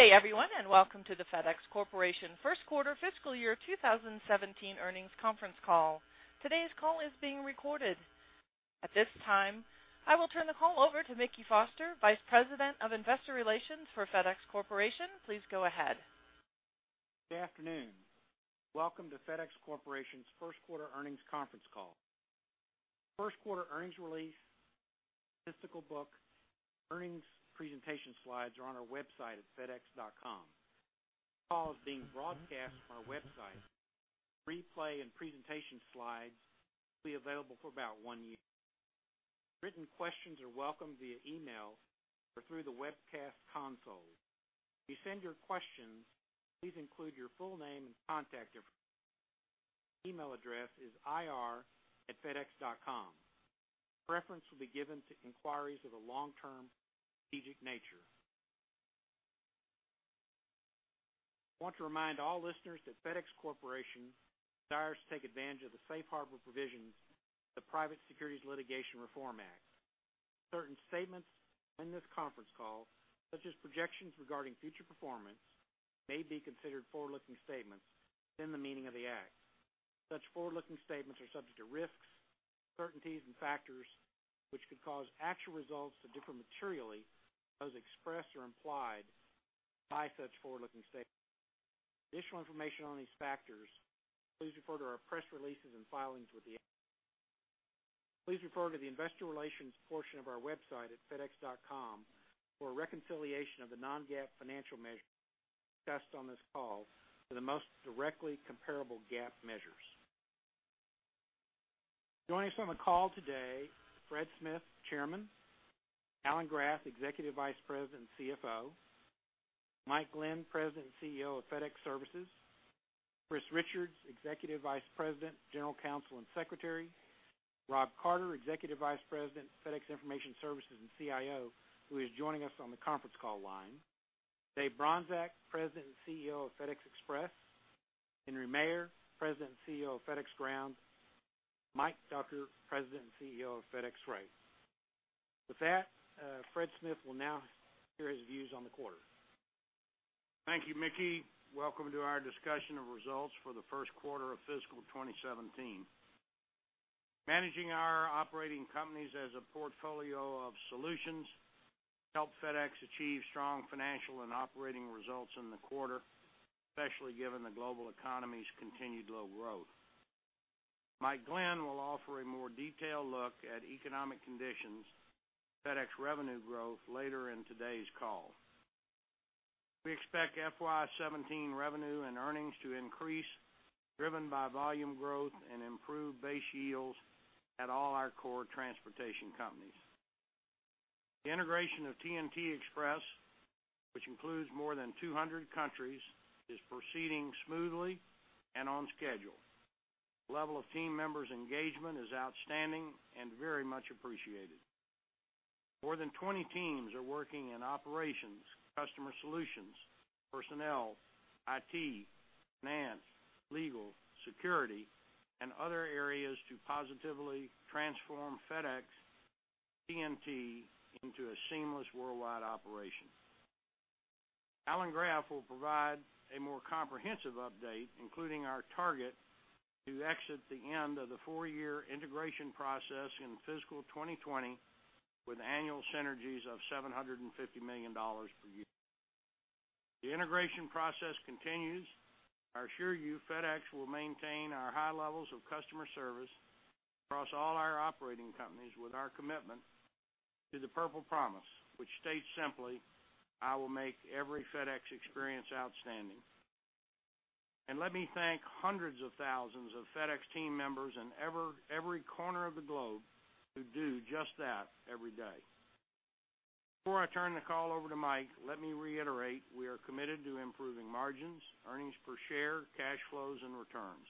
Hey, everyone, and welcome to the FedEx Corporation first quarter fiscal year 2017 earnings conference call. Today's call is being recorded. At this time, I will turn the call over to Mickey Foster, Vice President of Investor Relations for FedEx Corporation. Please go ahead. Good afternoon. Welcome to FedEx Corporation's first quarter earnings conference call. First quarter earnings release, statistical book, earnings presentation slides are on our website at fedex.com. This call is being broadcast from our website. Replay and presentation slides will be available for about one year. Written questions are welcome via email or through the webcast console. When you send your questions, please include your full name and contact information. Email address is ir@fedex.com. Preference will be given to inquiries of a long-term strategic nature. I want to remind all listeners that FedEx Corporation desires to take advantage of the safe harbor provisions of the Private Securities Litigation Reform Act. Certain statements in this conference call, such as projections regarding future performance, may be considered forward-looking statements within the meaning of the act. Such forward-looking statements are subject to risks, uncertainties, and factors which could cause actual results to differ materially as expressed or implied by such forward-looking statements. For additional information on these factors, please refer to our press releases and filings with the. Please refer to the investor relations portion of our website at fedex.com for a reconciliation of the non-GAAP financial measures discussed on this call to the most directly comparable GAAP measures. Joining us on the call today are Fred Smith, Chairman. Alan Graf, Executive Vice President and CFO. Mike Lenz, President and CEO of FedEx Services. Chris Richards, Executive Vice President, General Counsel and Secretary. Rob Carter, Executive Vice President, FedEx Information Services and CIO, who is joining us on the conference call line. Dave Bronczek, President and CEO of FedEx Express. Henry Maier, President and CEO of FedEx Ground. Mike Ducker, President and CEO of FedEx Freight. With that, Fred Smith will now share his views on the quarter. Thank you, Mickey. Welcome to our discussion of results for the first quarter of fiscal 2017. Managing our operating companies as a portfolio of solutions helped FedEx achieve strong financial and operating results in the quarter, especially given the global economy's continued low growth. Mike Lenz will offer a more detailed look at economic conditions and FedEx revenue growth later in today's call. We expect FY2017 revenue and earnings to increase, driven by volume growth and improved base yields at all our core transportation companies. The integration of TNT Express, which includes more than 200 countries, is proceeding smoothly and on schedule. The level of team members' engagement is outstanding and very much appreciated. More than 20 teams are working in operations, customer solutions, personnel, IT, finance, legal, security, and other areas to positively transform FedEx TNT into a seamless worldwide operation. Alan Graf will provide a more comprehensive update, including our target to exit the end of the four-year integration process in fiscal 2020 with annual synergies of $750 million per year. The integration process continues. I assure you FedEx will maintain our high levels of customer service across all our operating companies with our commitment to the purple promise, which states simply, "I will make every FedEx experience outstanding." Let me thank hundreds of thousands of FedEx team members in every corner of the globe who do just that every day. Before I turn the call over to Mike, let me reiterate we are committed to improving margins, earnings per share, cash flows, and returns.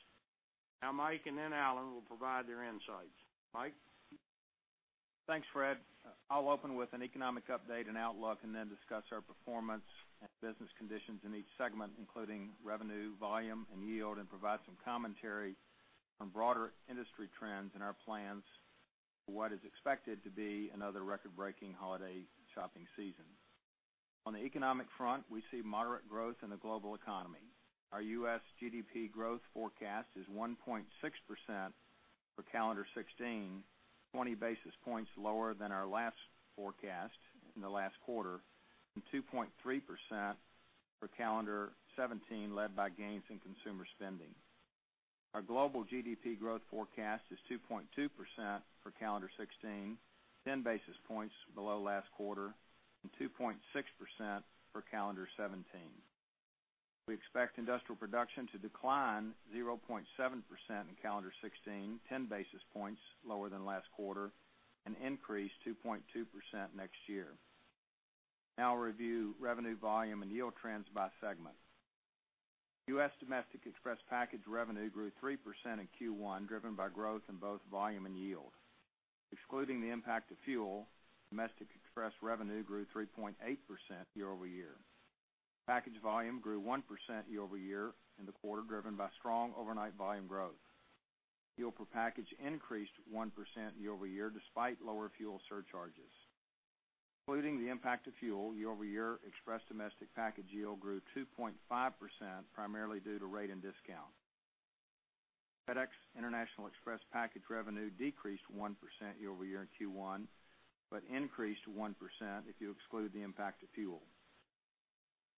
Now, Mike and then Alan will provide their insights. Mike. Thanks, Fred. I'll open with an economic update and outlook and then discuss our performance and business conditions in each segment, including revenue, volume, and yield, and provide some commentary on broader industry trends and our plans for what is expected to be another record-breaking holiday shopping season. On the economic front, we see moderate growth in the global economy. Our U.S. GDP growth forecast is 1.6% for calendar 2016, 20 basis points lower than our last forecast in the last quarter, and 2.3% for calendar 2017, led by gains in consumer spending. Our global GDP growth forecast is 2.2% for calendar 2016, 10 basis points below last quarter, and 2.6% for calendar 2017. We expect industrial production to decline 0.7% in calendar 2016, 10 basis points lower than last quarter, and increase 2.2% next year. Now, I'll review revenue, volume, and yield trends by segment. U.S. Domestic express package revenue grew 3% in Q1, driven by growth in both volume and yield. Excluding the impact of fuel, domestic express revenue grew 3.8% year-over-year. Package volume grew 1% year-over-year in the quarter, driven by strong overnight volume growth. Fuel per package increased 1% year-over-year despite lower fuel surcharges. Excluding the impact of fuel, year-over-year, express domestic package yield grew 2.5%, primarily due to rate and discount. FedEx international express package revenue decreased 1% year-over-year in Q1 but increased 1% if you exclude the impact of fuel.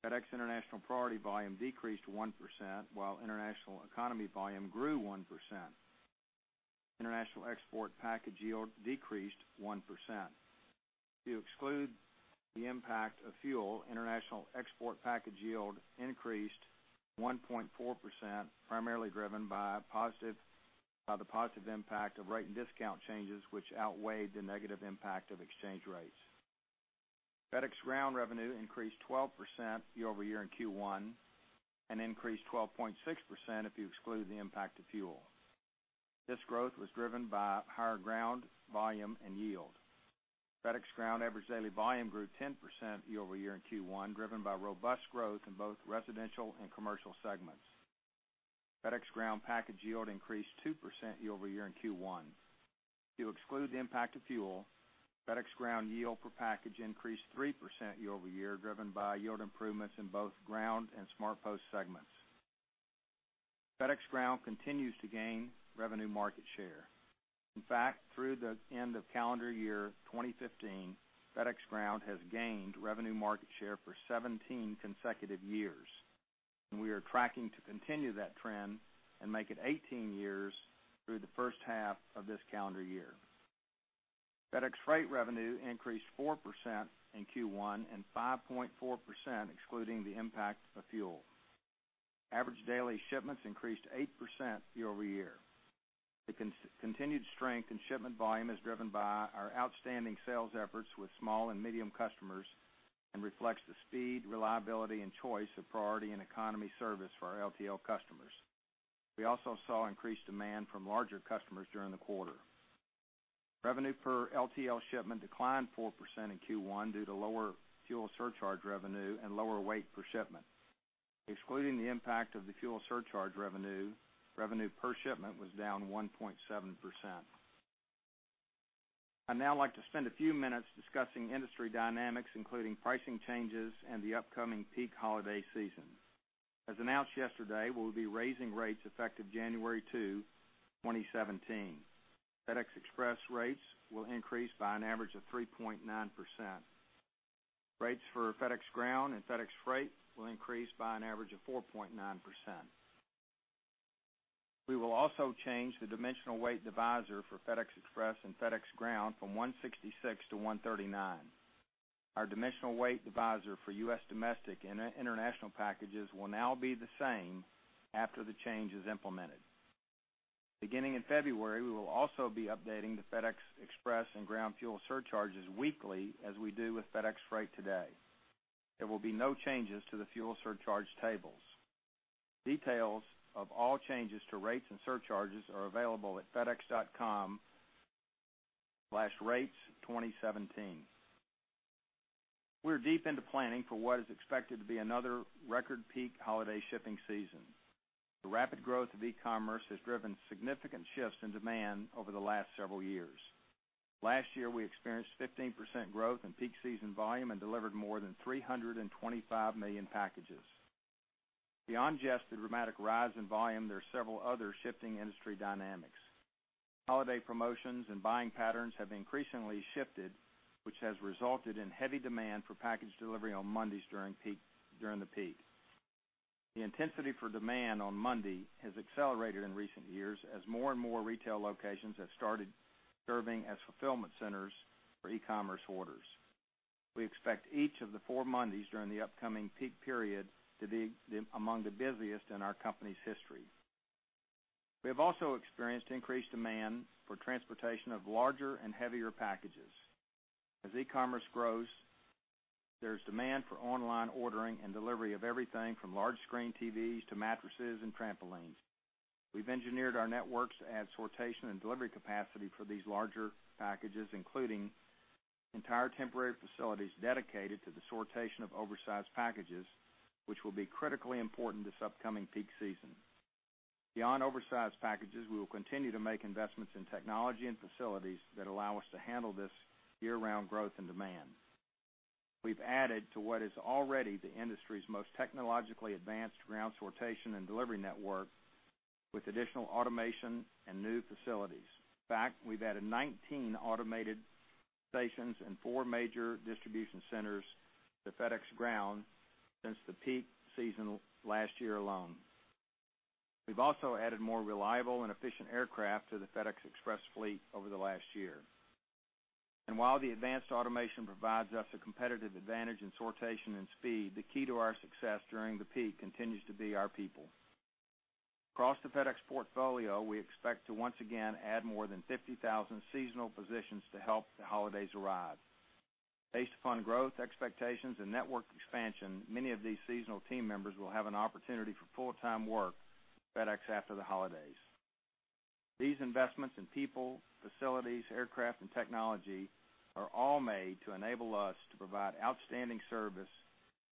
FedEx International priority volume decreased 1%, while International economy volume grew 1%. International export package yield decreased 1%. If you exclude the impact of fuel, international export package yield increased 1.4%, primarily driven by the positive impact of rate and discount changes, which outweighed the negative impact of exchange rates. FedEx Ground revenue increased 12% year-over-year in Q1 and increased 12.6% if you exclude the impact of fuel. This growth was driven by higher ground volume and yield. FedEx Ground average daily volume grew 10% year-over-year in Q1, driven by robust growth in both residential and commercial segments. FedEx Ground package yield increased 2% year-over-year in Q1. If you exclude the impact of fuel, FedEx Ground yield per package increased 3% year-over-year, driven by yield improvements in both ground and SmartPost segments. FedEx Ground continues to gain revenue market share. In fact, through the end of calendar year 2015, FedEx Ground has gained revenue market share for 17 consecutive years, and we are tracking to continue that trend and make it 18 years through the first half of this calendar year. FedEx Freight revenue increased 4% in Q1 and 5.4% excluding the impact of fuel. Average daily shipments increased 8% year-over-year. The continued strength in shipment volume is driven by our outstanding sales efforts with small and medium customers and reflects the speed, reliability, and choice of priority and economy service for our LTL customers. We also saw increased demand from larger customers during the quarter. Revenue per LTL shipment declined 4% in Q1 due to lower fuel surcharge revenue and lower weight per shipment. Excluding the impact of the fuel surcharge revenue, revenue per shipment was down 1.7%. I'd now like to spend a few minutes discussing industry dynamics, including pricing changes and the upcoming peak holiday season. As announced yesterday, we'll be raising rates effective January 2, 2017. FedEx Express rates will increase by an average of 3.9%. Rates for FedEx Ground and FedEx Freight will increase by an average of 4.9%. We will also change the dimensional weight divisor for FedEx Express and FedEx Ground from 166 to 139. Our dimensional weight divisor for U.S. domestic and international packages will now be the same after the change is implemented. Beginning in February, we will also be updating the FedEx Express and ground fuel surcharges weekly as we do with FedEx Freight today. There will be no changes to the fuel surcharge tables. Details of all changes to rates and surcharges are available at fedex.com/rates2017. We're deep into planning for what is expected to be another record-peak holiday shipping season. The rapid growth of e-commerce has driven significant shifts in demand over the last several years. Last year, we experienced 15% growth in peak season volume and delivered more than 325 million packages. Beyond just the dramatic rise in volume, there are several other shifting industry dynamics. Holiday promotions and buying patterns have increasingly shifted, which has resulted in heavy demand for package delivery on Mondays during the peak. The intensity for demand on Monday has accelerated in recent years as more and more retail locations have started serving as fulfillment centers for e-commerce orders. We expect each of the four Mondays during the upcoming peak period to be among the busiest in our company's history. We have also experienced increased demand for transportation of larger and heavier packages. As e-commerce grows, there's demand for online ordering and delivery of everything from large-screen TVs to mattresses and trampolines. We've engineered our networks to add sortation and delivery capacity for these larger packages, including entire temporary facilities dedicated to the sortation of oversized packages, which will be critically important this upcoming peak season. Beyond oversized packages, we will continue to make investments in technology and facilities that allow us to handle this year-round growth in demand. We've added to what is already the industry's most technologically advanced ground sortation and delivery network with additional automation and new facilities. In fact, we've added 19 automated stations and four major distribution centers to FedEx Ground since the peak season last year alone. We've also added more reliable and efficient aircraft to the FedEx Express fleet over the last year. And while the advanced automation provides us a competitive advantage in sortation and speed, the key to our success during the peak continues to be our people. Across the FedEx portfolio, we expect to once again add more than 50,000 seasonal positions to help the holidays arrive. Based upon growth expectations and network expansion, many of these seasonal team members will have an opportunity for full-time work with FedEx after the holidays. These investments in people, facilities, aircraft, and technology are all made to enable us to provide outstanding service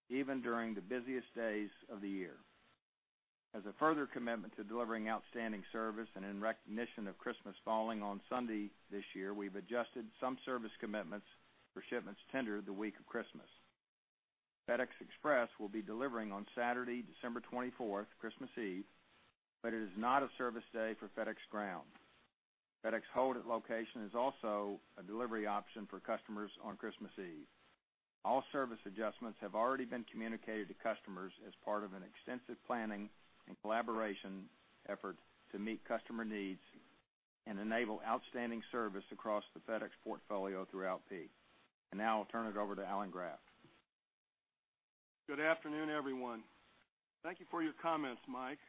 even during the busiest days of the year. As a further commitment to delivering outstanding service and in recognition of Christmas falling on Sunday this year, we've adjusted some service commitments for shipments tendered the week of Christmas. FedEx Express will be delivering on Saturday, December 24th, Christmas Eve, but it is not a service day for FedEx Ground. FedEx Hold at location is also a delivery option for customers on Christmas Eve. All service adjustments have already been communicated to customers as part of an extensive planning and collaboration effort to meet customer needs and enable outstanding service across the FedEx portfolio throughout peak. Now I'll turn it over to Alan Graf. Good afternoon, everyone. Thank you for your comments, Mike.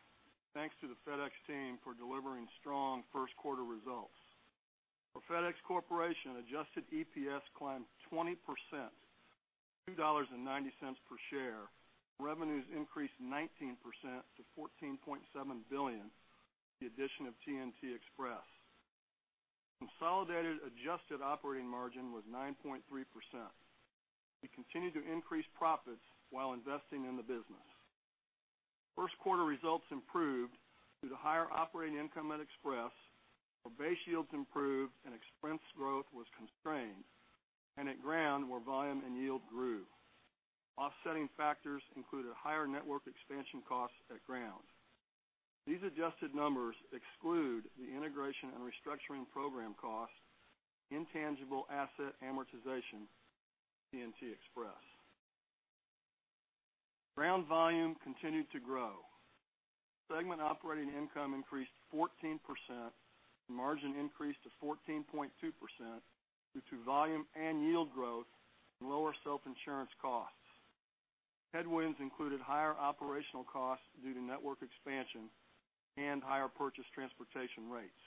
Thanks to the FedEx team for delivering strong first-quarter results. For FedEx Corporation, adjusted EPS climbed 20%, $2.90 per share. Revenues increased 19% to $14.7 billion with the addition of TNT Express. Consolidated adjusted operating margin was 9.3%. We continue to increase profits while investing in the business. First-quarter results improved due to higher operating income at Express, where base yields improved and expense growth was constrained, and at Ground, where volume and yield grew. Offsetting factors included higher network expansion costs at Ground. These adjusted numbers exclude the integration and restructuring program costs, intangible asset amortization, TNT Express. Ground volume continued to grow. Segment operating income increased 14%, and margin increased to 14.2% due to volume and yield growth and lower self-insurance costs. Headwinds included higher operational costs due to network expansion and higher purchase transportation rates.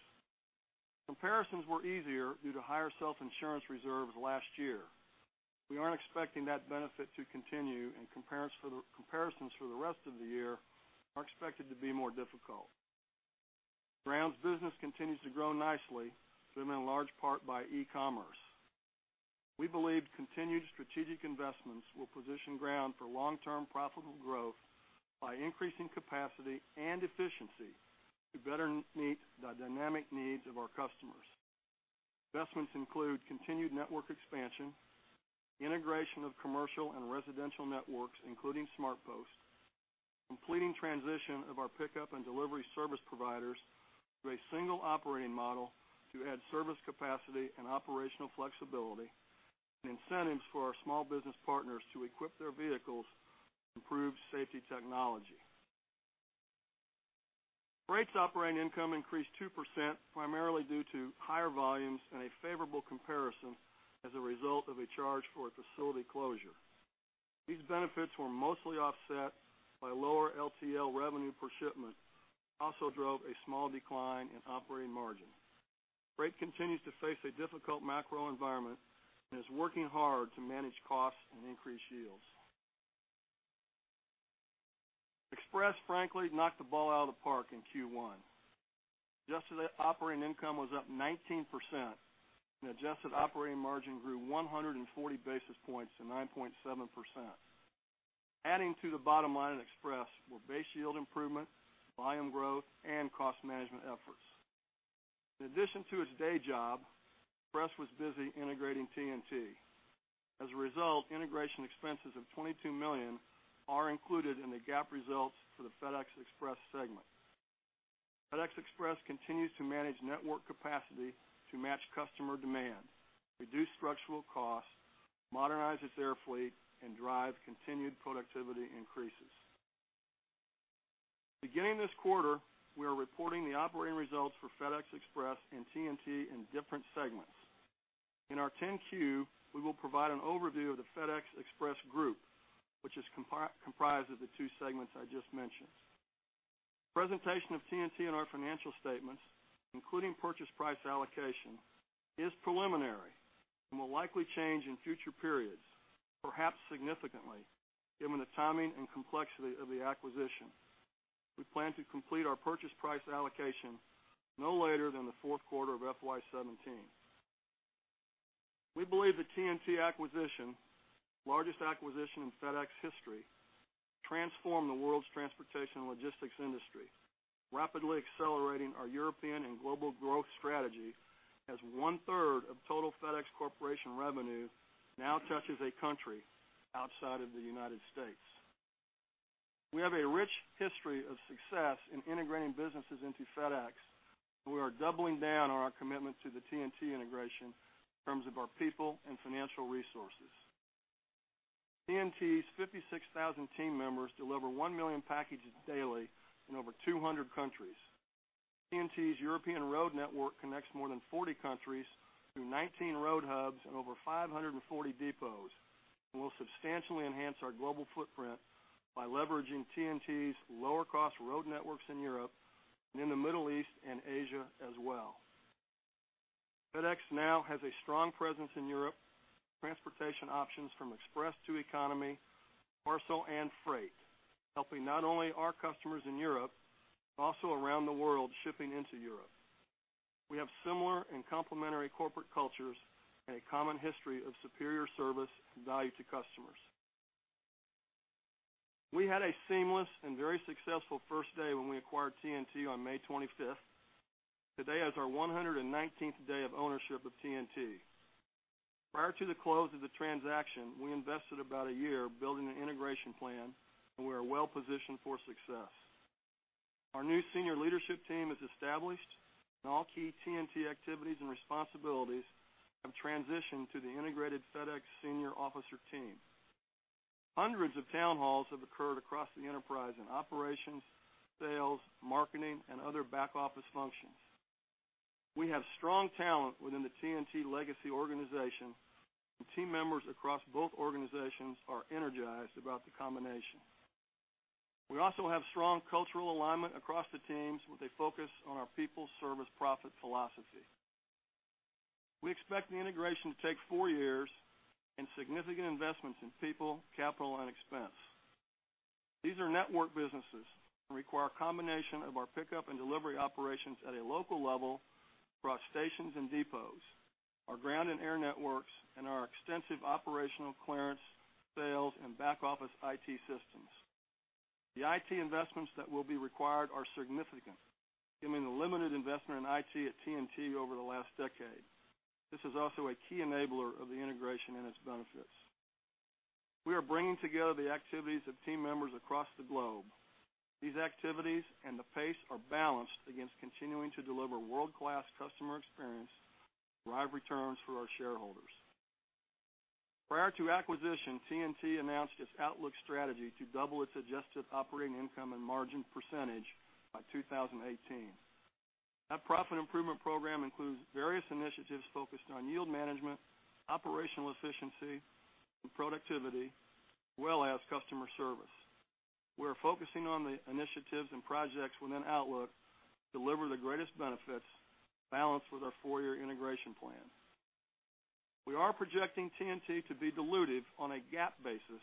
Comparisons were easier due to higher self-insurance reserves last year. We aren't expecting that benefit to continue, and comparisons for the rest of the year are expected to be more difficult. Ground's business continues to grow nicely, driven in large part by e-commerce. We believe continued strategic investments will position Ground for long-term profitable growth by increasing capacity and efficiency to better meet the dynamic needs of our customers. Investments include continued network expansion, integration of commercial and residential networks, including SmartPost, completing transition of our pickup and delivery service providers to a single operating model to add service capacity and operational flexibility, and incentives for our small business partners to equip their vehicles with improved safety technology. Freight's operating income increased 2%, primarily due to higher volumes and a favorable comparison as a result of a charge for a facility closure. These benefits were mostly offset by lower LTL revenue per shipment, which also drove a small decline in operating margin. Freight continues to face a difficult macro environment and is working hard to manage costs and increase yields. Express, frankly, knocked the ball out of the park in Q1. Adjusted operating income was up 19%, and adjusted operating margin grew 140 basis points to 9.7%. Adding to the bottom line at Express were base yield improvement, volume growth, and cost management efforts. In addition to its day job, Express was busy integrating TNT. As a result, integration expenses of $22 million are included in the GAAP results for the FedEx Express segment. FedEx Express continues to manage network capacity to match customer demand, reduce structural costs, modernize its air fleet, and drive continued productivity increases. Beginning this quarter, we are reporting the operating results for FedEx Express and TNT in different segments. In our 10Q, we will provide an overview of the FedEx Express group, which is comprised of the two segments I just mentioned. Presentation of TNT in our financial statements, including purchase price allocation, is preliminary and will likely change in future periods, perhaps significantly, given the timing and complexity of the acquisition. We plan to complete our purchase price allocation no later than the fourth quarter of FY2017. We believe the TNT acquisition, largest acquisition in FedEx history, transformed the world's transportation logistics industry, rapidly accelerating our European and global growth strategy as one-third of total FedEx Corporation revenue now touches a country outside of the United States. We have a rich history of success in integrating businesses into FedEx, and we are doubling down on our commitment to the TNT integration in terms of our people and financial resources. TNT's 56,000 team members deliver 1 million packages daily in over 200 countries. TNT's European road network connects more than 40 countries through 19 road hubs and over 540 depots, and will substantially enhance our global footprint by leveraging TNT's lower-cost road networks in Europe and in the Middle East and Asia as well. FedEx now has a strong presence in Europe, transportation options from Express to Economy, parcel, and freight, helping not only our customers in Europe but also around the world shipping into Europe. We have similar and complementary corporate cultures and a common history of superior service and value to customers. We had a seamless and very successful first day when we acquired TNT on May 25th. Today is our 119th day of ownership of TNT. Prior to the close of the transaction, we invested about a year building an integration plan, and we are well-positioned for success. Our new senior leadership team is established, and all key TNT activities and responsibilities have transitioned to the integrated FedEx senior officer team. Hundreds of town halls have occurred across the enterprise in operations, sales, marketing, and other back-office functions. We have strong talent within the TNT legacy organization, and team members across both organizations are energized about the combination. We also have strong cultural alignment across the teams with a focus on our People-Service-Profit philosophy. We expect the integration to take four years and significant investments in people, capital, and expense. These are network businesses and require a combination of our pickup and delivery operations at a local level across stations and depots, our ground and air networks, and our extensive operational clearance, sales, and back-office IT systems. The IT investments that will be required are significant, given the limited investment in IT at TNT over the last decade. This is also a key enabler of the integration and its benefits. We are bringing together the activities of team members across the globe. These activities and the pace are balanced against continuing to deliver world-class customer experience and drive returns for our shareholders. Prior to acquisition, TNT announced its outlook strategy to double its adjusted operating income and margin percentage by 2018. That profit improvement program includes various initiatives focused on yield management, operational efficiency, and productivity, as well as customer service. We are focusing on the initiatives and projects within Outlook to deliver the greatest benefits balanced with our four-year integration plan. We are projecting TNT to be dilutive on a GAAP basis,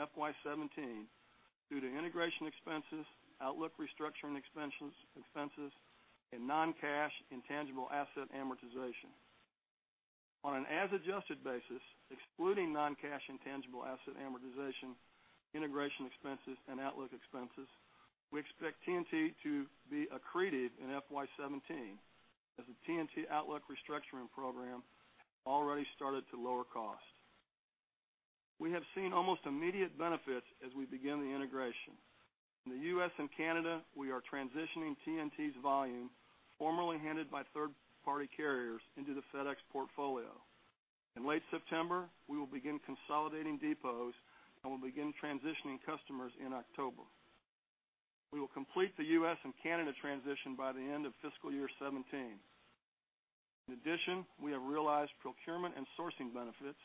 FY2017, due to integration expenses, Outlook restructuring expenses, and non-cash intangible asset amortization. On an as-adjusted basis, excluding non-cash intangible asset amortization, integration expenses, and Outlook expenses, we expect TNT to be accretive in FY2017 as the TNT Outlook restructuring program has already started to lower costs. We have seen almost immediate benefits as we begin the integration. In the U.S. and Canada, we are transitioning TNT's volume, formerly handed by third-party carriers, into the FedEx portfolio. In late September, we will begin consolidating depots and will begin transitioning customers in October. We will complete the U.S. and Canada transition by the end of fiscal year 2017. In addition, we have realized procurement and sourcing benefits,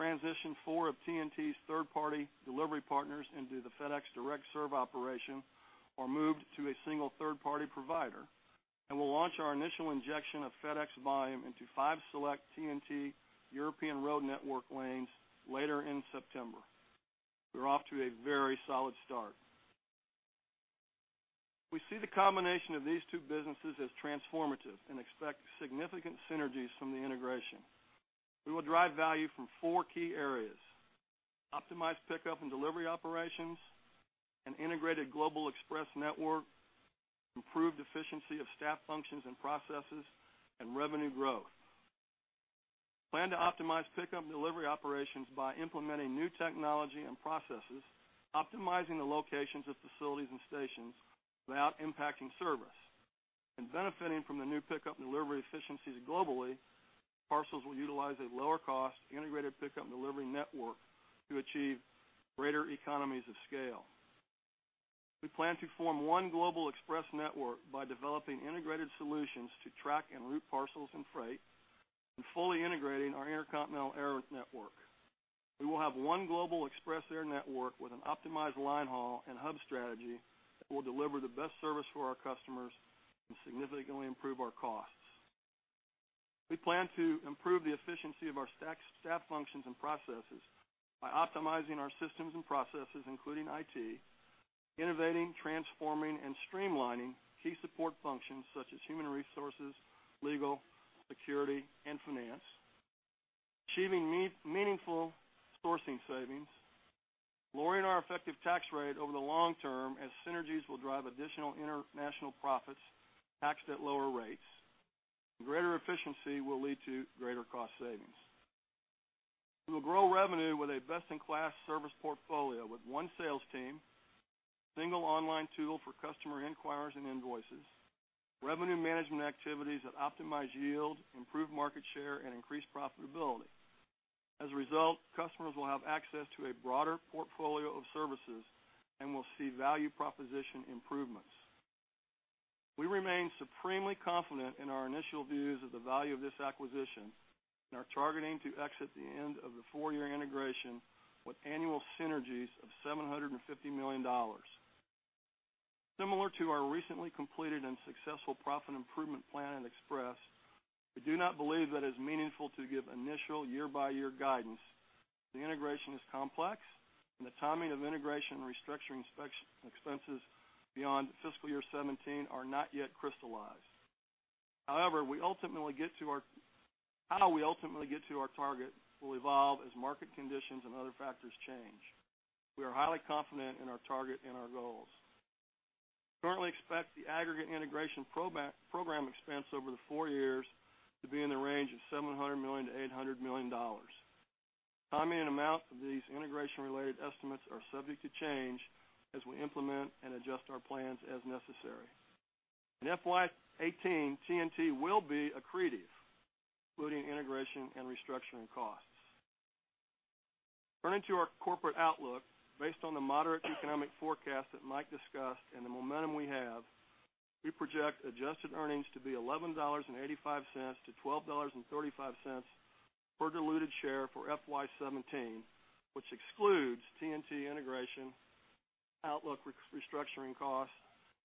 transitioned four of TNT's third-party delivery partners into the FedEx direct-serve operation, or moved to a single third-party provider, and will launch our initial injection of FedEx volume into five select TNT European road network lanes later in September. We're off to a very solid start. We see the combination of these two businesses as transformative and expect significant synergies from the integration. We will drive value from four key areas: optimized pickup and delivery operations, an integrated global express network, improved efficiency of staff functions and processes, and revenue growth. Plan to optimize pickup and delivery operations by implementing new technology and processes, optimizing the locations of facilities and stations without impacting service. Benefiting from the new pickup and delivery efficiencies globally, parcels will utilize a lower-cost integrated pickup and delivery network to achieve greater economies of scale. We plan to form one global express network by developing integrated solutions to track and route parcels and freight and fully integrating our intercontinental air network. We will have one global express air network with an optimized linehaul and hub strategy that will deliver the best service for our customers and significantly improve our costs. We plan to improve the efficiency of our staff functions and processes by optimizing our systems and processes, including IT, innovating, transforming, and streamlining key support functions such as human resources, legal, security, and finance, achieving meaningful sourcing savings, lowering our effective tax rate over the long term as synergies will drive additional international profits taxed at lower rates, and greater efficiency will lead to greater cost savings. We will grow revenue with a best-in-class service portfolio with one sales team, a single online tool for customer inquiries and invoices, revenue management activities that optimize yield, improve market share, and increase profitability. As a result, customers will have access to a broader portfolio of services and will see value proposition improvements. We remain supremely confident in our initial views of the value of this acquisition and are targeting to exit the end of the four-year integration with annual synergies of $750 million. Similar to our recently completed and successful profit improvement plan at Express, we do not believe that it is meaningful to give initial year-by-year guidance. The integration is complex, and the timing of integration and restructuring expenses beyond fiscal year 2017 are not yet crystallized. However, how we ultimately get to our target will evolve as market conditions and other factors change. We are highly confident in our target and our goals. Currently, we expect the aggregate integration program expense over the four years to be in the range of $700 million-$800 million. Timing and amount of these integration-related estimates are subject to change as we implement and adjust our plans as necessary. In FY2018, TNT will be accretive, including integration and restructuring costs. Turning to our corporate outlook, based on the moderate economic forecast that Mike discussed and the momentum we have, we project adjusted earnings to be $11.85-$12.35 per diluted share for FY2017, which excludes TNT integration, Outlook restructuring costs,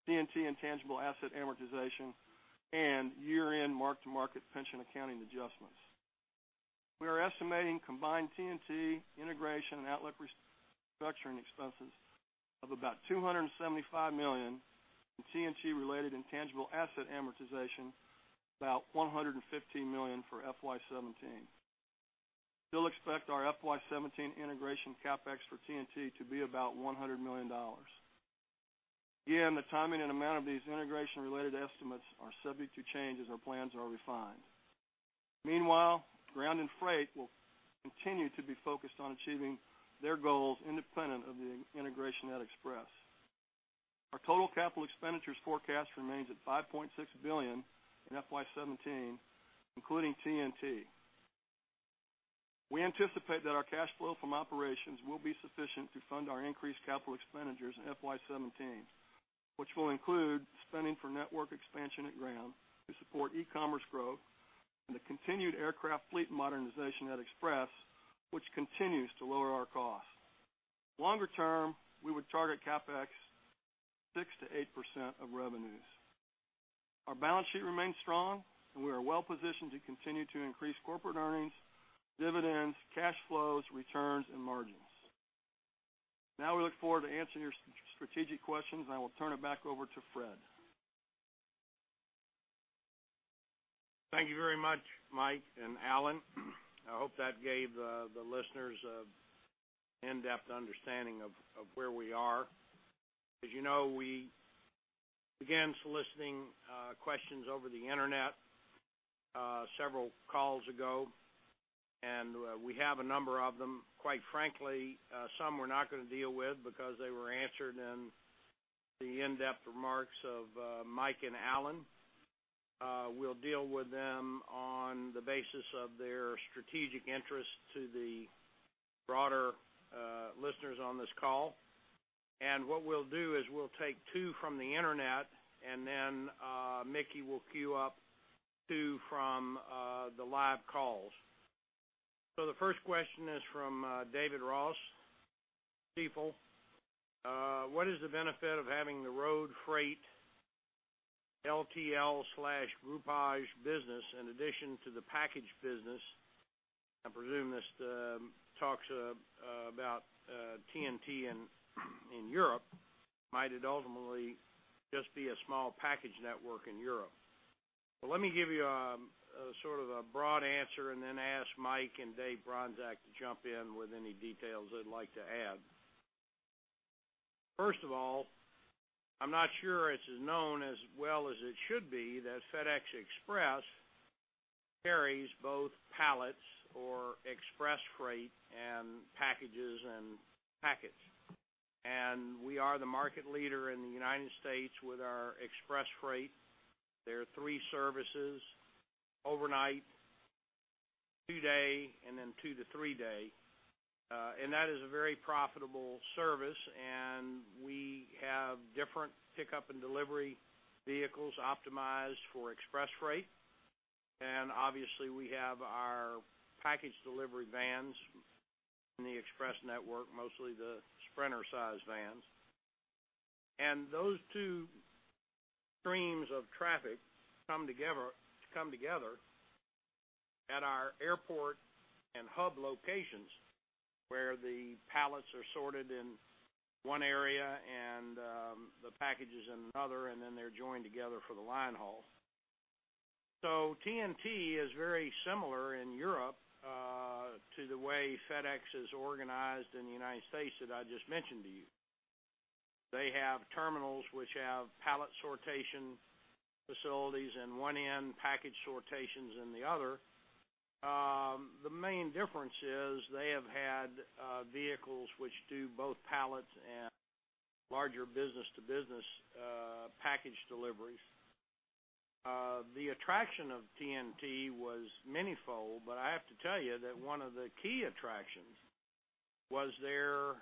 TNT intangible asset amortization, and year-end mark-to-market pension accounting adjustments. We are estimating combined TNT integration and Outlook restructuring expenses of about $275 million in TNT-related intangible asset amortization, about $115 million for FY2017. We still expect our FY2017 integration CapEx for TNT to be about $100 million. Again, the timing and amount of these integration-related estimates are subject to change as our plans are refined. Meanwhile, ground and freight will continue to be focused on achieving their goals independent of the integration at Express. Our total capital expenditures forecast remains at $5.6 billion in FY2017, including TNT. We anticipate that our cash flow from operations will be sufficient to fund our increased capital expenditures in FY2017, which will include spending for network expansion at ground to support e-commerce growth and the continued aircraft fleet modernization at Express, which continues to lower our costs. Longer term, we would target CapEx 6%-8% of revenues. Our balance sheet remains strong, and we are well-positioned to continue to increase corporate earnings, dividends, cash flows, returns, and margins. Now, we look forward to answering your strategic questions, and I will turn it back over to Fred. Thank you very much, Mike and Alan. I hope that gave the listeners an in-depth understanding of where we are. As you know, we began soliciting questions over the internet several calls ago, and we have a number of them. Quite frankly, some we're not going to deal with because they were answered in the in-depth remarks of Mike and Alan. We'll deal with them on the basis of their strategic interest to the broader listeners on this call. What we'll do is we'll take two from the internet, and then Mickey will queue up two from the live calls. So the first question is from David Ross, Stifel. What is the benefit of having the road freight LTL/Groupage business in addition to the package business? I presume this talks about TNT in Europe. Might it ultimately just be a small package network in Europe? Well, let me give you sort of a broad answer and then ask Mike and Dave Bronczek to jump in with any details they'd like to add. First of all, I'm not sure it's as known as well as it should be that FedEx Express carries both pallets or express freight and packages and packets. We are the market leader in the United States with our express freight. There are three services: overnight, two day, and then two to three day. That is a very profitable service, and we have different pickup and delivery vehicles optimized for express freight. Obviously, we have our package delivery vans in the express network, mostly the Sprinter-sized vans. Those two streams of traffic come together at our airport and hub locations where the pallets are sorted in one area and the packages in another, and then they're joined together for the linehaul. TNT is very similar in Europe to the way FedEx is organized in the United States that I just mentioned to you. They have terminals which have pallet sortation facilities in one end, package sortations in the other. The main difference is they have had vehicles which do both pallets and larger business-to-business package deliveries. The attraction of TNT was many-fold, but I have to tell you that one of the key attractions was their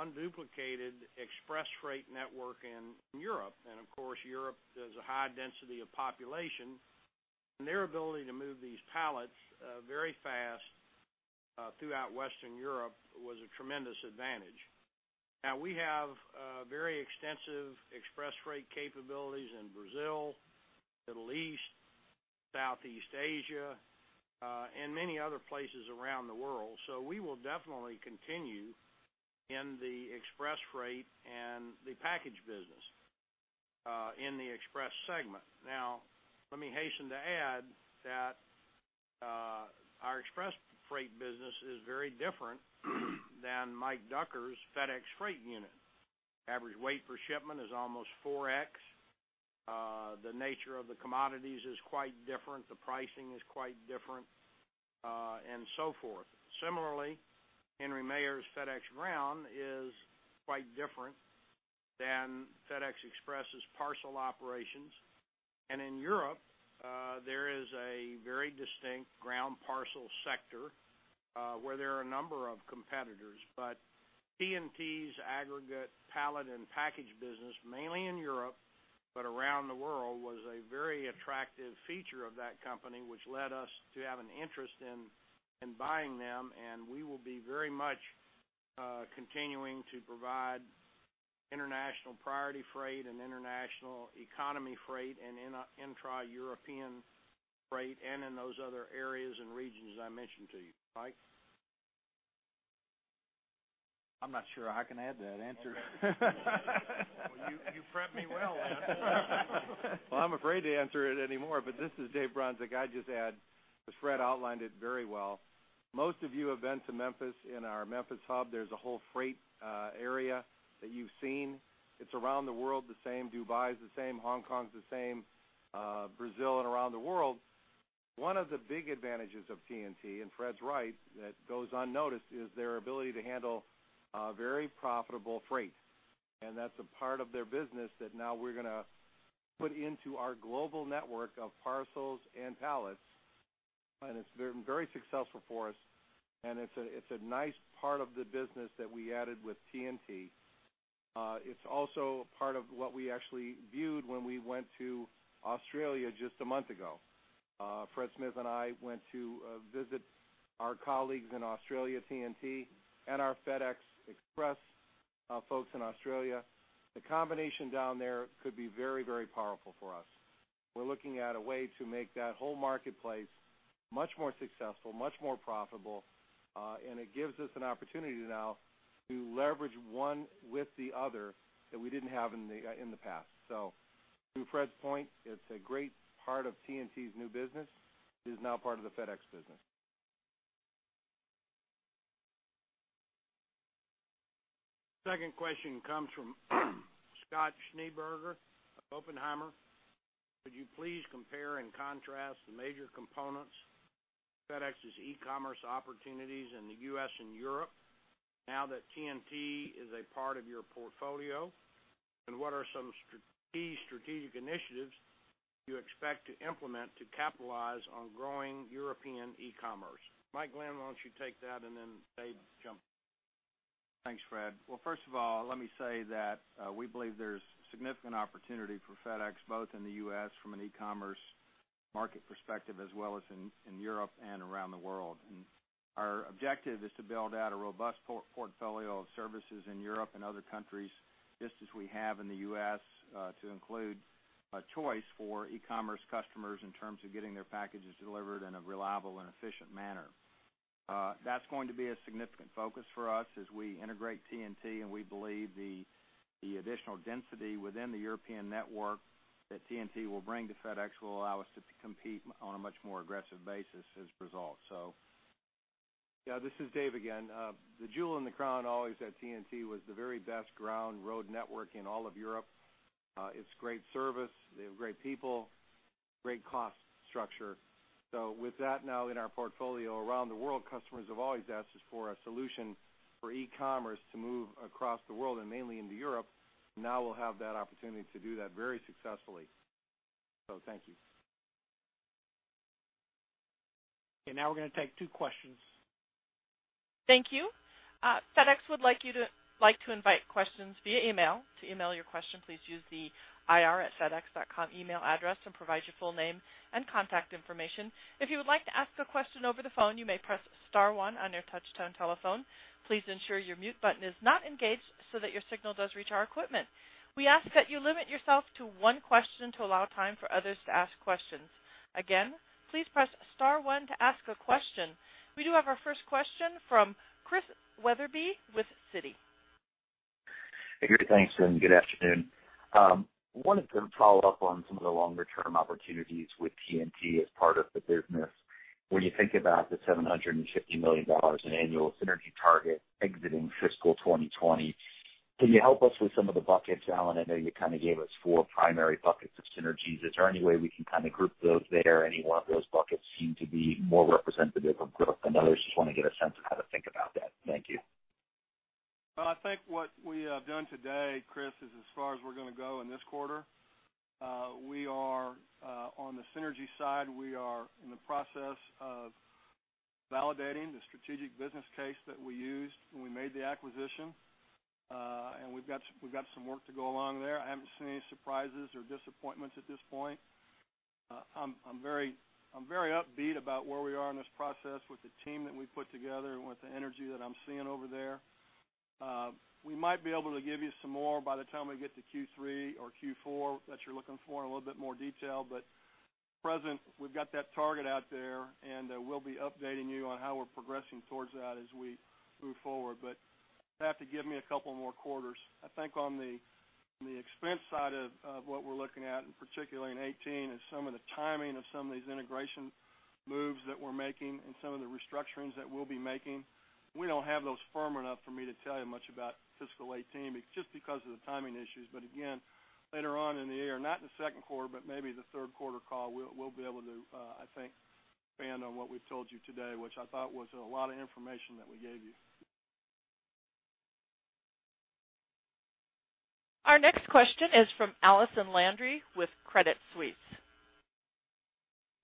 unduplicated express freight network in Europe. Of course, Europe is a high density of population, and their ability to move these pallets very fast throughout Western Europe was a tremendous advantage. Now, we have very extensive express freight capabilities in Brazil, the Middle East, Southeast Asia, and many other places around the world. So we will definitely continue in the express freight and the package business in the express segment. Now, let me hasten to add that our express freight business is very different than Mike Ducker's FedEx Freight unit. Average weight per shipment is almost 4x. The nature of the commodities is quite different. The pricing is quite different and so forth. Similarly, Henry Maier's FedEx Ground is quite different than FedEx Express's parcel operations. And in Europe, there is a very distinct ground parcel sector where there are a number of competitors. But TNT's aggregate pallet and package business, mainly in Europe but around the world, was a very attractive feature of that company, which led us to have an interest in buying them. We will be very much continuing to provide international priority freight and international economy freight and intra-European freight and in those other areas and regions I mentioned to you, Mike. I'm not sure I can add to that answer. You prepped me well, man. Well, I'm afraid to answer it anymore, but this is Dave Bronczek. I'd just add, as Fred outlined it very well, most of you have been to Memphis in our Memphis hub. There's a whole freight area that you've seen. It's around the world the same. Dubai is the same. Hong Kong's the same. Brazil and around the world. One of the big advantages of TNT, and Fred's right, that goes unnoticed is their ability to handle very profitable freight. And that's a part of their business that now we're going to put into our global network of parcels and pallets. It's been very successful for us. It's a nice part of the business that we added with TNT. It's also part of what we actually viewed when we went to Australia just a month ago. Fred Smith and I went to visit our colleagues in Australia, TNT, and our FedEx Express folks in Australia. The combination down there could be very, very powerful for us. We're looking at a way to make that whole marketplace much more successful, much more profitable. It gives us an opportunity now to leverage one with the other that we didn't have in the past. So to Fred's point, it's a great part of TNT's new business. It is now part of the FedEx business. Second question comes from Scott Schneeberger of Oppenheimer. Could you please compare and contrast the major components, FedEx's e-commerce opportunities in the U.S. and Europe now that TNT is a part of your portfolio? And what are some key strategic initiatives you expect to implement to capitalize on growing European e-commerce? Mike Lenz, why don't you take that and then Dave, jump? Thanks, Fred. Well, first of all, let me say that we believe there's significant opportunity for FedEx both in the U.S. from an e-commerce market perspective as well as in Europe and around the world. Our objective is to build out a robust portfolio of services in Europe and other countries just as we have in the U.S. to include a choice for e-commerce customers in terms of getting their packages delivered in a reliable and efficient manner. That's going to be a significant focus for us as we integrate TNT. We believe the additional density within the European network that TNT will bring to FedEx will allow us to compete on a much more aggressive basis as a result. So, yeah, this is Dave again. The jewel in the crown always at TNT was the very best ground road network in all of Europe. It's great service. They have great people, great cost structure. So with that now in our portfolio around the world, customers have always asked us for a solution for e-commerce to move across the world and mainly into Europe. Now we'll have that opportunity to do that very successfully. So thank you. Now we're going to take two questions. Thank you. FedEx would like to invite questions via email. To email your question, please use the ir@fedex.com email address and provide your full name and contact information. If you would like to ask a question over the phone, you may press star one on your touch-tone telephone. Please ensure your mute button is not engaged so that your signal does reach our equipment. We ask that you limit yourself to one question to allow time for others to ask questions. Again, please press star one to ask a question. We do have our first question from Chris Wetherbee with Citi. Hey, great. Thanks, and good afternoon. I wanted to follow up on some of the longer-term opportunities with TNT as part of the business. When you think about the $750 million in annual synergy target exiting fiscal 2020, can you help us with some of the buckets? Alan, I know you kind of gave us four primary buckets of synergies. Is there any way we can kind of group those there? Any one of those buckets seem to be more representative of growth than others? Just want to get a sense of how to think about that. Thank you. Well, I think what we have done today, Chris, is as far as we're going to go in this quarter. We are on the synergy side. We are in the process of validating the strategic business case that we used when we made the acquisition. And we've got some work to go along there. I haven't seen any surprises or disappointments at this point. I'm very upbeat about where we are in this process with the team that we put together and with the energy that I'm seeing over there. We might be able to give you some more by the time we get to Q3 or Q4 that you're looking for in a little bit more detail. At present, we've got that target out there, and we'll be updating you on how we're progressing towards that as we move forward. But you have to give me a couple more quarters. I think on the expense side of what we're looking at, and particularly in 2018, is some of the timing of some of these integration moves that we're making and some of the restructurings that we'll be making. We don't have those firm enough for me to tell you much about fiscal 2018 just because of the timing issues. But again, later on in the year, not in the second quarter, but maybe the third quarter call, we'll be able to, I think, expand on what we've told you today, which I thought was a lot of information that we gave you. Our next question is from Allison Landry with Credit Suisse.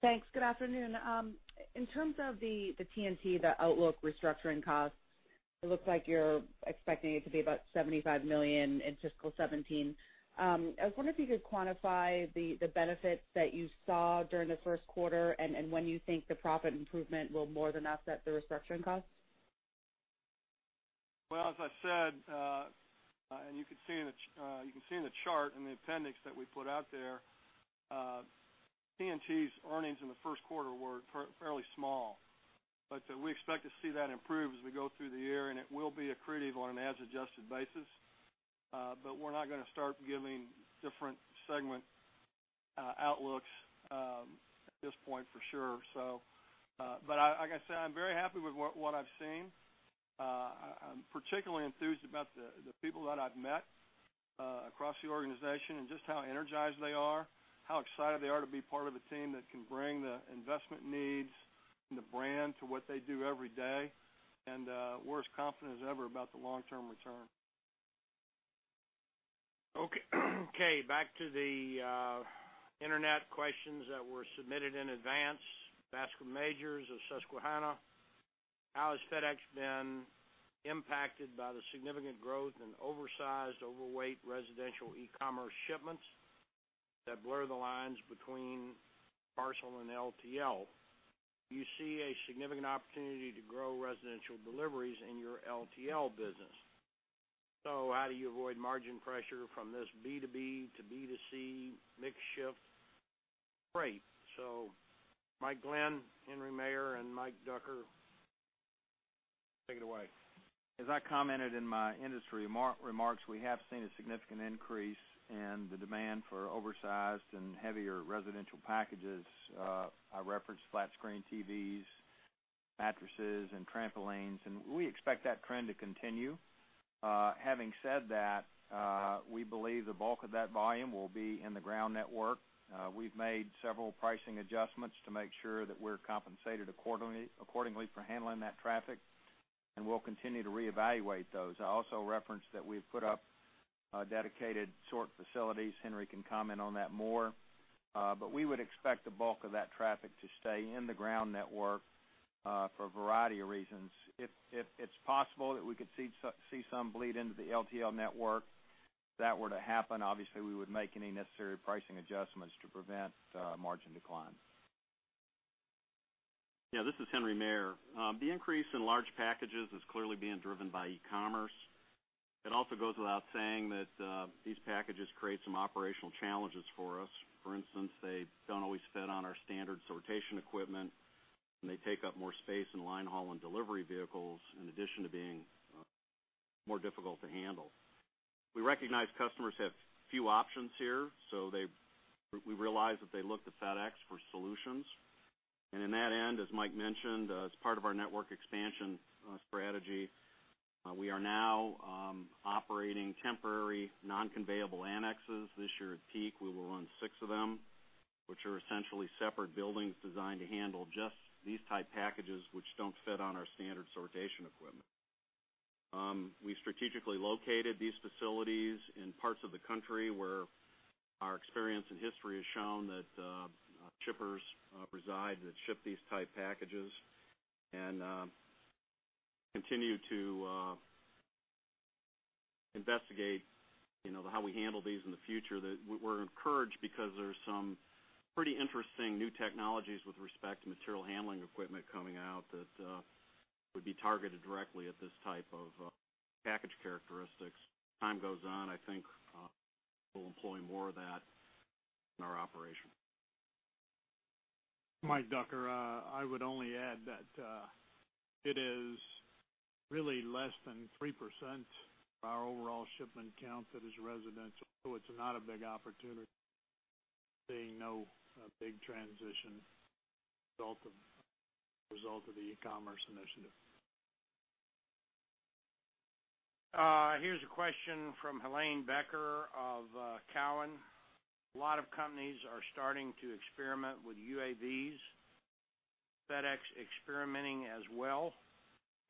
Thanks. Good afternoon. In terms of the TNT, the outlook restructuring costs, it looks like you're expecting it to be about $75 million in fiscal 2017. I was wondering if you could quantify the benefits that you saw during the first quarter and when you think the profit improvement will more than offset the restructuring costs. Well, as I said, and you can see in the chart and the appendix that we put out there, TNT's earnings in the first quarter were fairly small. But we expect to see that improve as we go through the year, and it will be accretive on an as-adjusted basis. But we're not going to start giving different segment outlooks at this point for sure. But like I said, I'm very happy with what I've seen. I'm particularly enthused about the people that I've met across the organization and just how energized they are, how excited they are to be part of a team that can bring the investment needs and the brand to what they do every day. And we're as confident as ever about the long-term return. Okay. Back to the internet questions that were submitted in advance. Bascome Majors of Susquehanna, how has FedEx been impacted by the significant growth in oversized, overweight residential e-commerce shipments that blur the lines between parcel and LTL? Do you see a significant opportunity to grow residential deliveries in your LTL business? So how do you avoid margin pressure from this B2B to B2C mix shift? Great. So Mike Lenz, Henry Maier, and Mike Ducker, take it away. As I commented in my industry remarks, we have seen a significant increase in the demand for oversized and heavier residential packages. I referenced flat-screen TVs, mattresses, and trampolines. We expect that trend to continue. Having said that, we believe the bulk of that volume will be in the ground network. We've made several pricing adjustments to make sure that we're compensated accordingly for handling that traffic. We'll continue to reevaluate those. I also referenced that we've put up dedicated sort facilities. Henry can comment on that more. We would expect the bulk of that traffic to stay in the ground network for a variety of reasons. If it's possible that we could see some bleed into the LTL network, if that were to happen, obviously, we would make any necessary pricing adjustments to prevent margin decline. Yeah, this is Henry Maier. The increase in large packages is clearly being driven by e-commerce. It also goes without saying that these packages create some operational challenges for us. For instance, they don't always fit on our standard sortation equipment. They take up more space in line haul and delivery vehicles in addition to being more difficult to handle. We recognize customers have few options here. So we realize that they look to FedEx for solutions. And in that end, as Mike mentioned, as part of our network expansion strategy, we are now operating temporary non-conveyable annexes. This year at peak, we will run six of them, which are essentially separate buildings designed to handle just these type packages, which don't fit on our standard sortation equipment. We've strategically located these facilities in parts of the country where our experience and history has shown that shippers reside that ship these type packages and continue to investigate how we handle these in the future. We're encouraged because there's some pretty interesting new technologies with respect to material handling equipment coming out that would be targeted directly at this type of package characteristics. Time goes on, I think we'll employ more of that in our operation. Mike Ducker, I would only add that it is really less than 3% of our overall shipment count that is residential. So it's not a big opportunity, seeing no big transition result of the e-commerce initiative. Here's a question from Helane Becker of Cowen. A lot of companies are starting to experiment with UAVs. FedEx experimenting as well?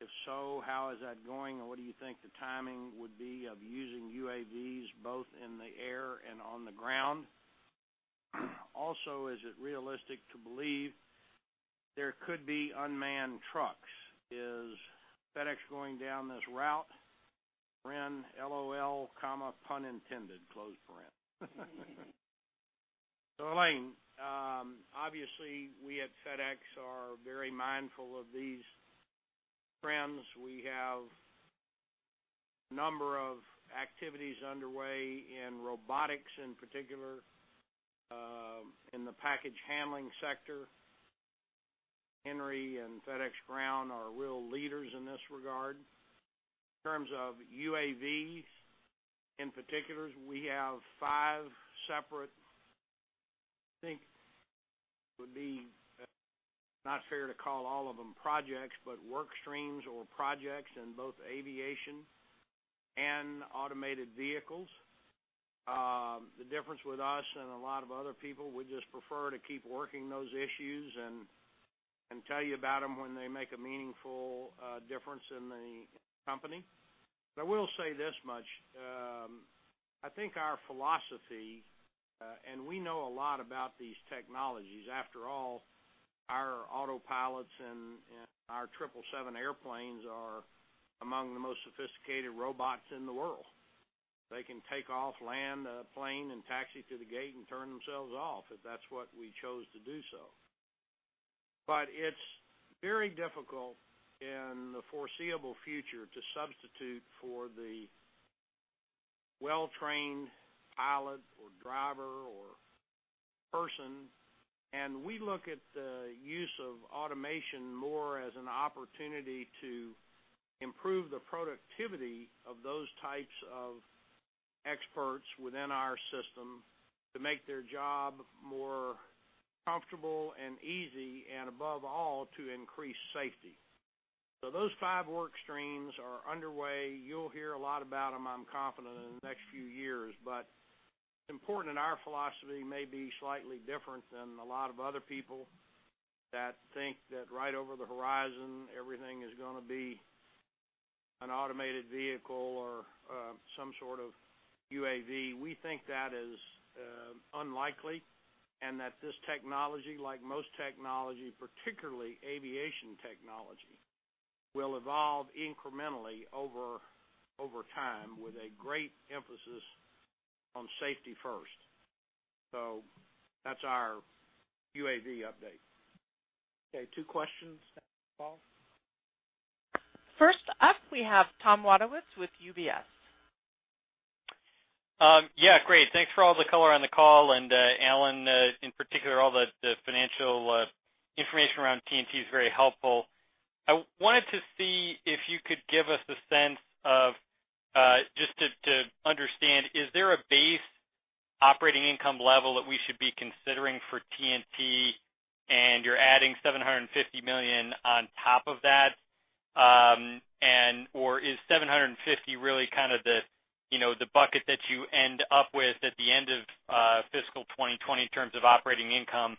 If so, how is that going? What do you think the timing would be of using UAVs both in the air and on the ground? Also, is it realistic to believe there could be unmanned trucks? Is FedEx going down this route? LOL (pun intended). Helane, obviously, we at FedEx are very mindful of these trends. We have a number of activities underway in robotics in particular in the package handling sector. Henry and FedEx Ground are real leaders in this regard. In terms of UAVs in particular, we have five separate, I think it would be not fair to call all of them projects, but work streams or projects in both aviation and automated vehicles. The difference with us and a lot of other people, we just prefer to keep working those issues and tell you about them when they make a meaningful difference in the company. But I will say this much. I think our philosophy, and we know a lot about these technologies. After all, our autopilots and our triple seven airplanes are among the most sophisticated robots in the world. They can take off, land a plane, and taxi to the gate and turn themselves off if that's what we chose to do so. But it's very difficult in the foreseeable future to substitute for the well-trained pilot or driver or person. And we look at the use of automation more as an opportunity to improve the productivity of those types of experts within our system to make their job more comfortable and easy and above all to increase safety. So those five work streams are underway. You'll hear a lot about them, I'm confident, in the next few years. But it's important that our philosophy may be slightly different than a lot of other people that think that right over the horizon, everything is going to be an automated vehicle or some sort of UAV. We think that is unlikely and that this technology, like most technology, particularly aviation technology, will evolve incrementally over time with a great emphasis on safety first. So that's our UAV update. Okay, two questions. First up, we have Tom Wadewitz with UBS. Yeah, great. Thanks for all the color on the call. Alan, in particular, all the financial information around TNT is very helpful. I wanted to see if you could give us a sense of just to understand, is there a base operating income level that we should be considering for TNT? And you're adding $750 million on top of that. And/or is $750 really kind of the bucket that you end up with at the end of fiscal 2020 in terms of operating income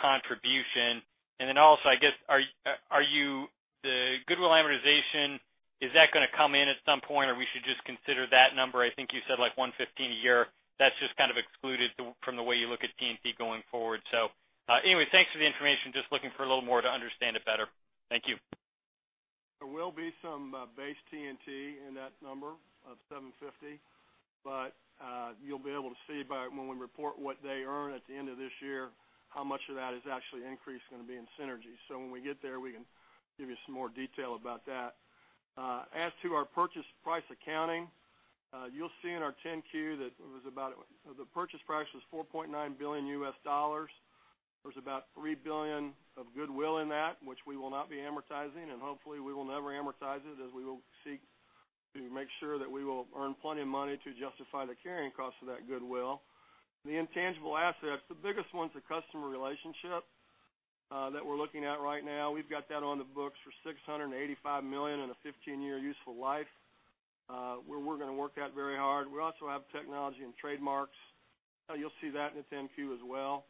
contribution? And then also, I guess, are you the goodwill amortization, is that going to come in at some point or we should just consider that number? I think you said like $115 a year. That's just kind of excluded from the way you look at TNT going forward. So anyway, thanks for the information. Just looking for a little more to understand it better. Thank you. There will be some base TNT in that number of $750. But you'll be able to see when we report what they earn at the end of this year how much of that is actually increased going to be in synergy. So when we get there, we can give you some more detail about that. As to our purchase price accounting, you'll see in our 10Q that it was about the purchase price was $4.9 billion. There's about $3 billion of goodwill in that, which we will not be amortizing. And hopefully, we will never amortize it as we will seek to make sure that we will earn plenty of money to justify the carrying costs of that goodwill. The intangible assets, the biggest one is the customer relationship that we're looking at right now. We've got that on the books for $685 million and a 15-year useful life, where we're going to work that very hard. We also have technology and trademarks. You'll see that in the 10Q as well.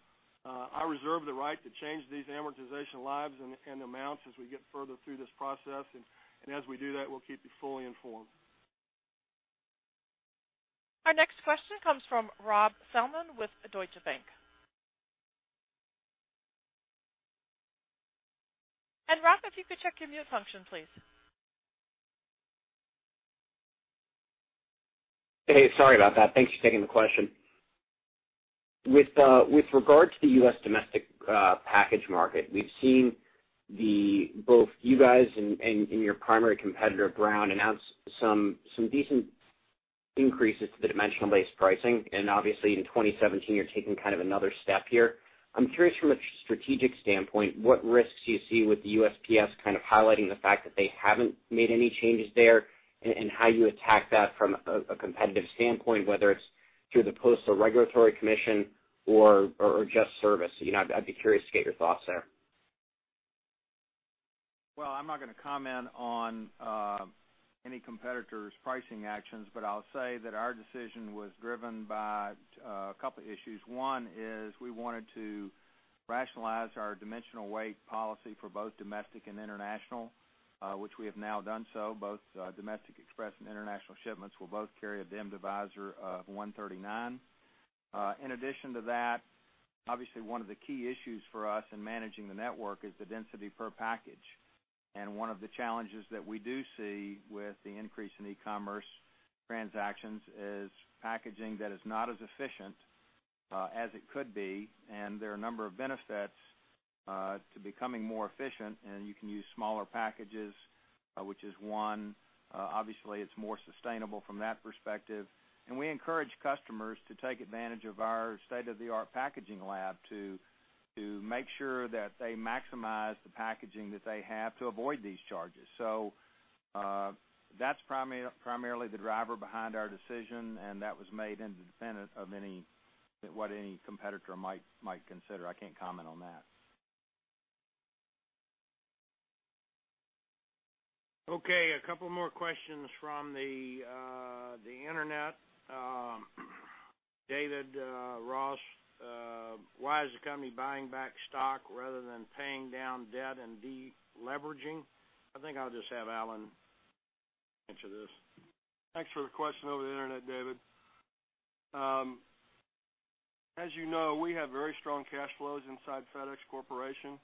I reserve the right to change these amortization lives and amounts as we get further through this process. And as we do that, we'll keep you fully informed. Our next question comes from Rob Fellman with Deutsche Bank. And Rob, if you could check your mute function, please. Hey, sorry about that. Thanks for taking the question. With regard to the U.S. domestic package market, we've seen both you guys and your primary competitor, Brown, announce some decent increases to the dimensional-based pricing. And obviously, in 2017, you're taking kind of another step here. I'm curious from a strategic standpoint, what risks do you see with the USPS kind of highlighting the fact that they haven't made any changes there and how you attack that from a competitive standpoint, whether it's through the Postal Regulatory Commission or just service? I'd be curious to get your thoughts there. Well, I'm not going to comment on any competitor's pricing actions, but I'll say that our decision was driven by a couple of issues. One is we wanted to rationalize our dimensional weight policy for both domestic and international, which we have now done so. Both domestic express and international shipments will both carry a DIM divisor of 139. In addition to that, obviously, one of the key issues for us in managing the network is the density per package. One of the challenges that we do see with the increase in e-commerce transactions is packaging that is not as efficient as it could be. There are a number of benefits to becoming more efficient. You can use smaller packages, which is one. Obviously, it's more sustainable from that perspective. We encourage customers to take advantage of our state-of-the-art packaging lab to make sure that they maximize the packaging that they have to avoid these charges. That's primarily the driver behind our decision. That was made independent of what any competitor might consider. I can't comment on that. Okay, a couple more questions from the internet. David Ross, why is the company buying back stock rather than paying down debt and deleveraging? I think I'll just have Alan answer this. Thanks for the question over the internet, David. As you know, we have very strong cash flows inside FedEx Corporation.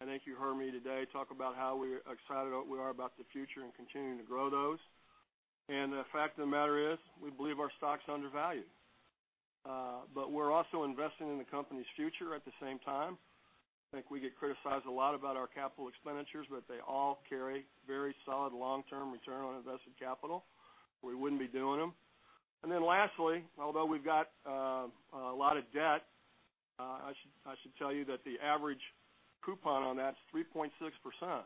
I think you heard me today talk about how excited we are about the future and continuing to grow those. The fact of the matter is we believe our stock's undervalued. We're also investing in the company's future at the same time. I think we get criticized a lot about our capital expenditures, but they all carry very solid long-term return on invested capital. We wouldn't be doing them. And then lastly, although we've got a lot of debt, I should tell you that the average coupon on that is 3.6%.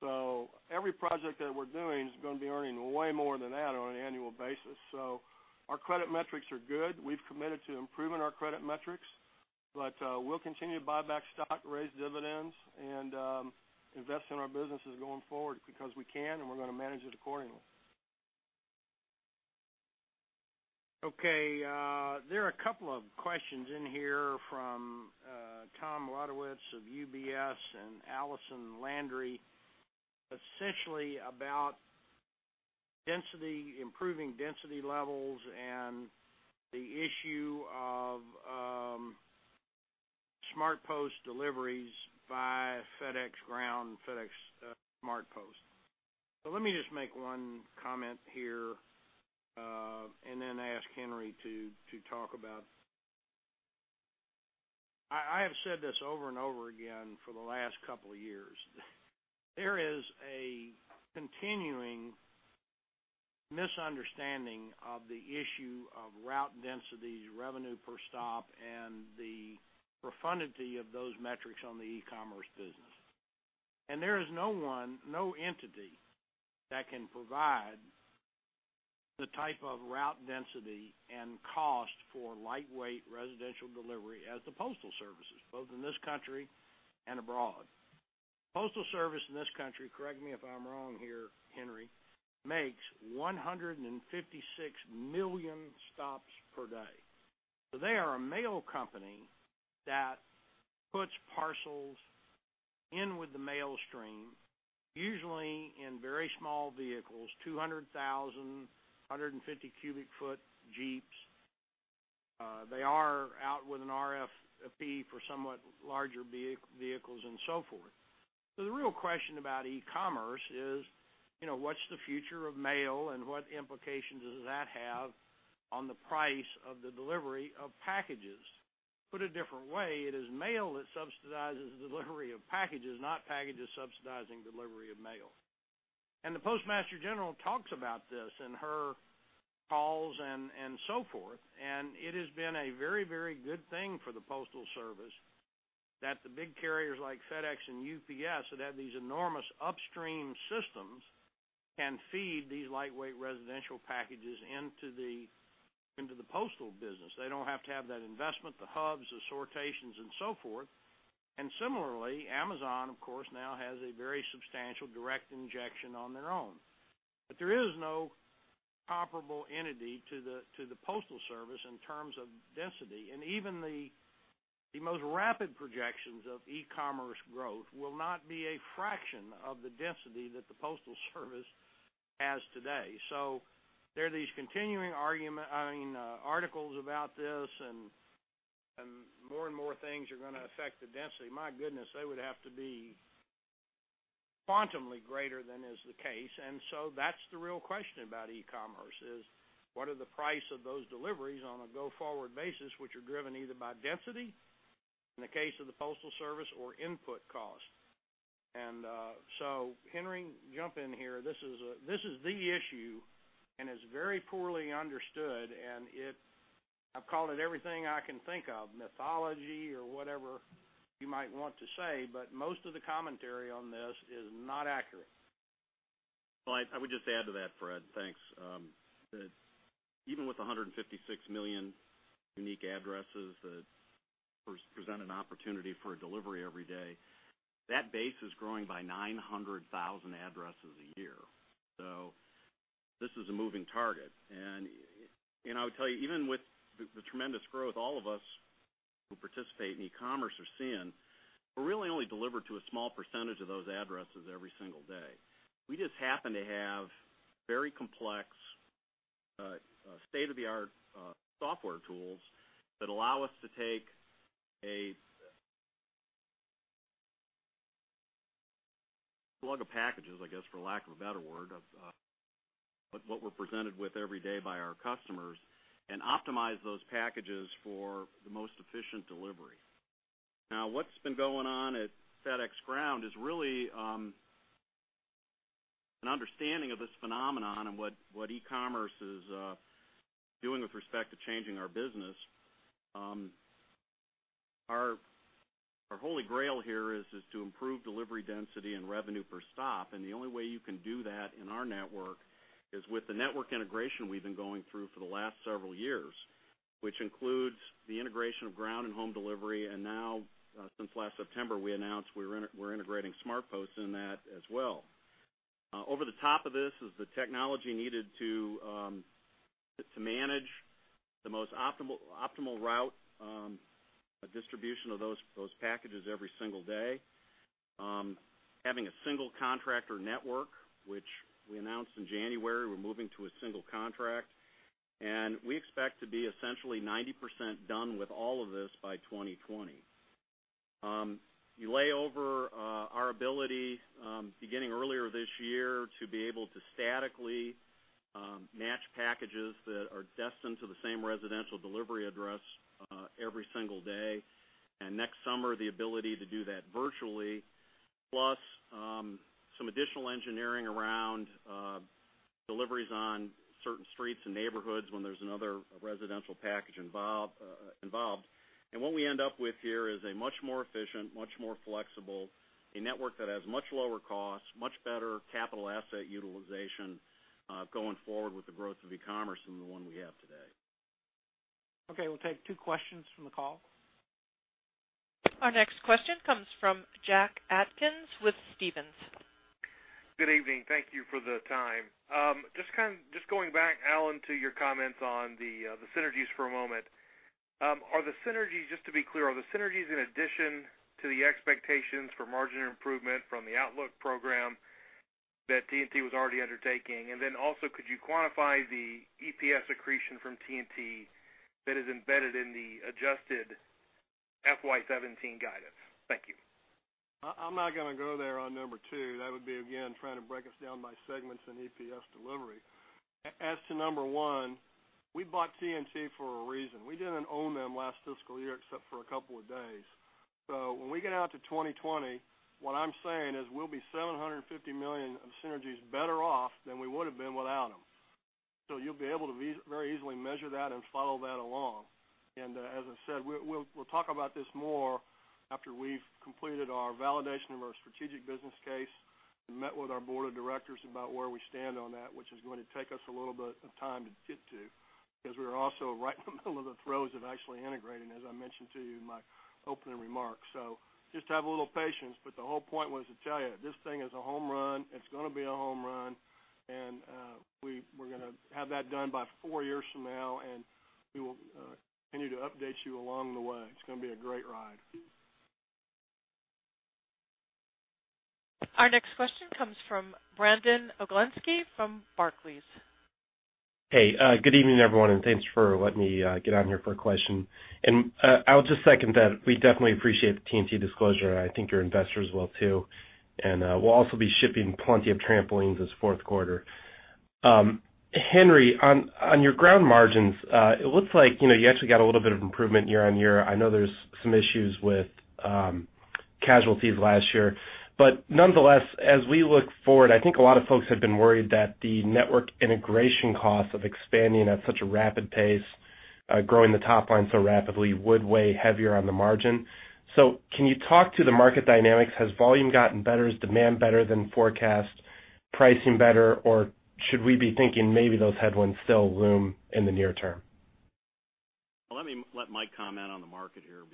So every project that we're doing is going to be earning way more than that on an annual basis. So our credit metrics are good. We've committed to improving our credit metrics. But we'll continue to buy back stock, raise dividends, and invest in our businesses going forward because we can, and we're going to manage it accordingly. Okay, there are a couple of questions in here from Tom Wadewitz of UBS and Allison Landry, essentially about improving density levels and the issue of SmartPost deliveries by FedEx Ground and FedEx SmartPost. So let me just make one comment here and then ask Henry to talk about. I have said this over and over again for the last couple of years. There is a continuing misunderstanding of the issue of route densities, revenue per stop, and the profundity of those metrics on the e-commerce business. There is no entity that can provide the type of route density and cost for lightweight residential delivery as the postal services, both in this country and abroad. Postal service in this country, correct me if I'm wrong here, Henry, makes 156 million stops per day. They are a mail company that puts parcels in with the mail stream, usually in very small vehicles, 200,000, 150 cubic foot Jeeps. They are out with an RFP for somewhat larger vehicles and so forth. The real question about e-commerce is, what's the future of mail and what implications does that have on the price of the delivery of packages? Put a different way, it is mail that subsidizes the delivery of packages, not packages subsidizing the delivery of mail. And the Postmaster General talks about this in her calls and so forth. And it has been a very, very good thing for the Postal Service that the big carriers like FedEx and UPS, that have these enormous upstream systems, can feed these lightweight residential packages into the postal business. They don't have to have that investment, the hubs, the sortations, and so forth. And similarly, Amazon, of course, now has a very substantial direct injection on their own. But there is no comparable entity to the Postal Service in terms of density. And even the most rapid projections of e-commerce growth will not be a fraction of the density that the Postal Service has today. So there are these continuing articles about this, and more and more things are going to affect the density. My goodness, they would have to be quantumly greater than is the case. And so that's the real question about e-commerce is, what are the price of those deliveries on a go-forward basis, which are driven either by density, in the case of the Postal Service, or input cost? And so Henry, jump in here. This is the issue, and it's very poorly understood. And I've called it everything I can think of, mythology or whatever you might want to say, but most of the commentary on this is not accurate. Well, I would just add to that, Fred. Thanks. Even with 156 million unique addresses that present an opportunity for a delivery every day, that base is growing by 900,000 addresses a year. So this is a moving target.I would tell you, even with the tremendous growth, all of us who participate in e-commerce are seeing we're really only delivered to a small percentage of those addresses every single day. We just happen to have very complex state-of-the-art software tools that allow us to take a plug of packages, I guess, for lack of a better word, but what we're presented with every day by our customers, and optimize those packages for the most efficient delivery. Now, what's been going on at FedEx Ground is really an understanding of this phenomenon and what e-commerce is doing with respect to changing our business. Our holy grail here is to improve delivery density and revenue per stop. The only way you can do that in our network is with the network integration we've been going through for the last several years, which includes the integration of Ground and Home Delivery. Now, since last September, we announced we're integrating SmartPost in that as well. Over the top of this is the technology needed to manage the most optimal route distribution of those packages every single day, having a single contractor network, which we announced in January. We're moving to a single contract. We expect to be essentially 90% done with all of this by 2020. Overlay our ability, beginning earlier this year, to be able to statically match packages that are destined to the same residential delivery address every single day. Next summer, the ability to do that virtually, plus some additional engineering around deliveries on certain streets and neighborhoods when there's another residential package involved. What we end up with here is a much more efficient, much more flexible, a network that has much lower costs, much better capital asset utilization going forward with the growth of e-commerce than the one we have today. Okay, we'll take two questions from the call. Our next question comes from Jack Atkins with Stephens. Good evening. Thank you for the time. Just going back, Alan, to your comments on the synergies for a moment. Just to be clear, are the synergies in addition to the expectations for margin improvement from the Outlook program that TNT was already undertaking? And then also, could you quantify the EPS accretion from T&T that is embedded in the adjusted FY2017 guidance? Thank you. I'm not going to go there on number two. That would be, again, trying to break us down by segments in EPS delivery. As to number one, we bought T&T for a reason. We didn't own them last fiscal year except for a couple of days. So when we get out to 2020, what I'm saying is we'll be $750 million of synergies better off than we would have been without them. So you'll be able to very easily measure that and follow that along. As I said, we'll talk about this more after we've completed our validation of our strategic business case and met with our board of directors about where we stand on that, which is going to take us a little bit of time to get to because we're also right in the middle of the throes of actually integrating, as I mentioned to you in my opening remarks. So just have a little patience. But the whole point was to tell you, this thing is a home run. It's going to be a home run. And we're going to have that done by four years from now. And we will continue to update you along the way. It's going to be a great ride. Our next question comes from Brandon Oglenski from Barclays. Hey, good evening, everyone. And thanks for letting me get on here for a question. I'll just second that. We definitely appreciate the TNT disclosure. I think your investors will too. We'll also be shipping plenty of trampolines this fourth quarter. Henry, on your ground margins, it looks like you actually got a little bit of improvement year-on-year. I know there's some issues with casualties last year. Nonetheless, as we look forward, I think a lot of folks have been worried that the network integration costs of expanding at such a rapid pace, growing the top line so rapidly would weigh heavier on the margin. Can you talk to the market dynamics? Has volume gotten better? Is demand better than forecast? Pricing better? Or should we be thinking maybe those headwinds still loom in the near term? Well, let me let Mike comment on the market here.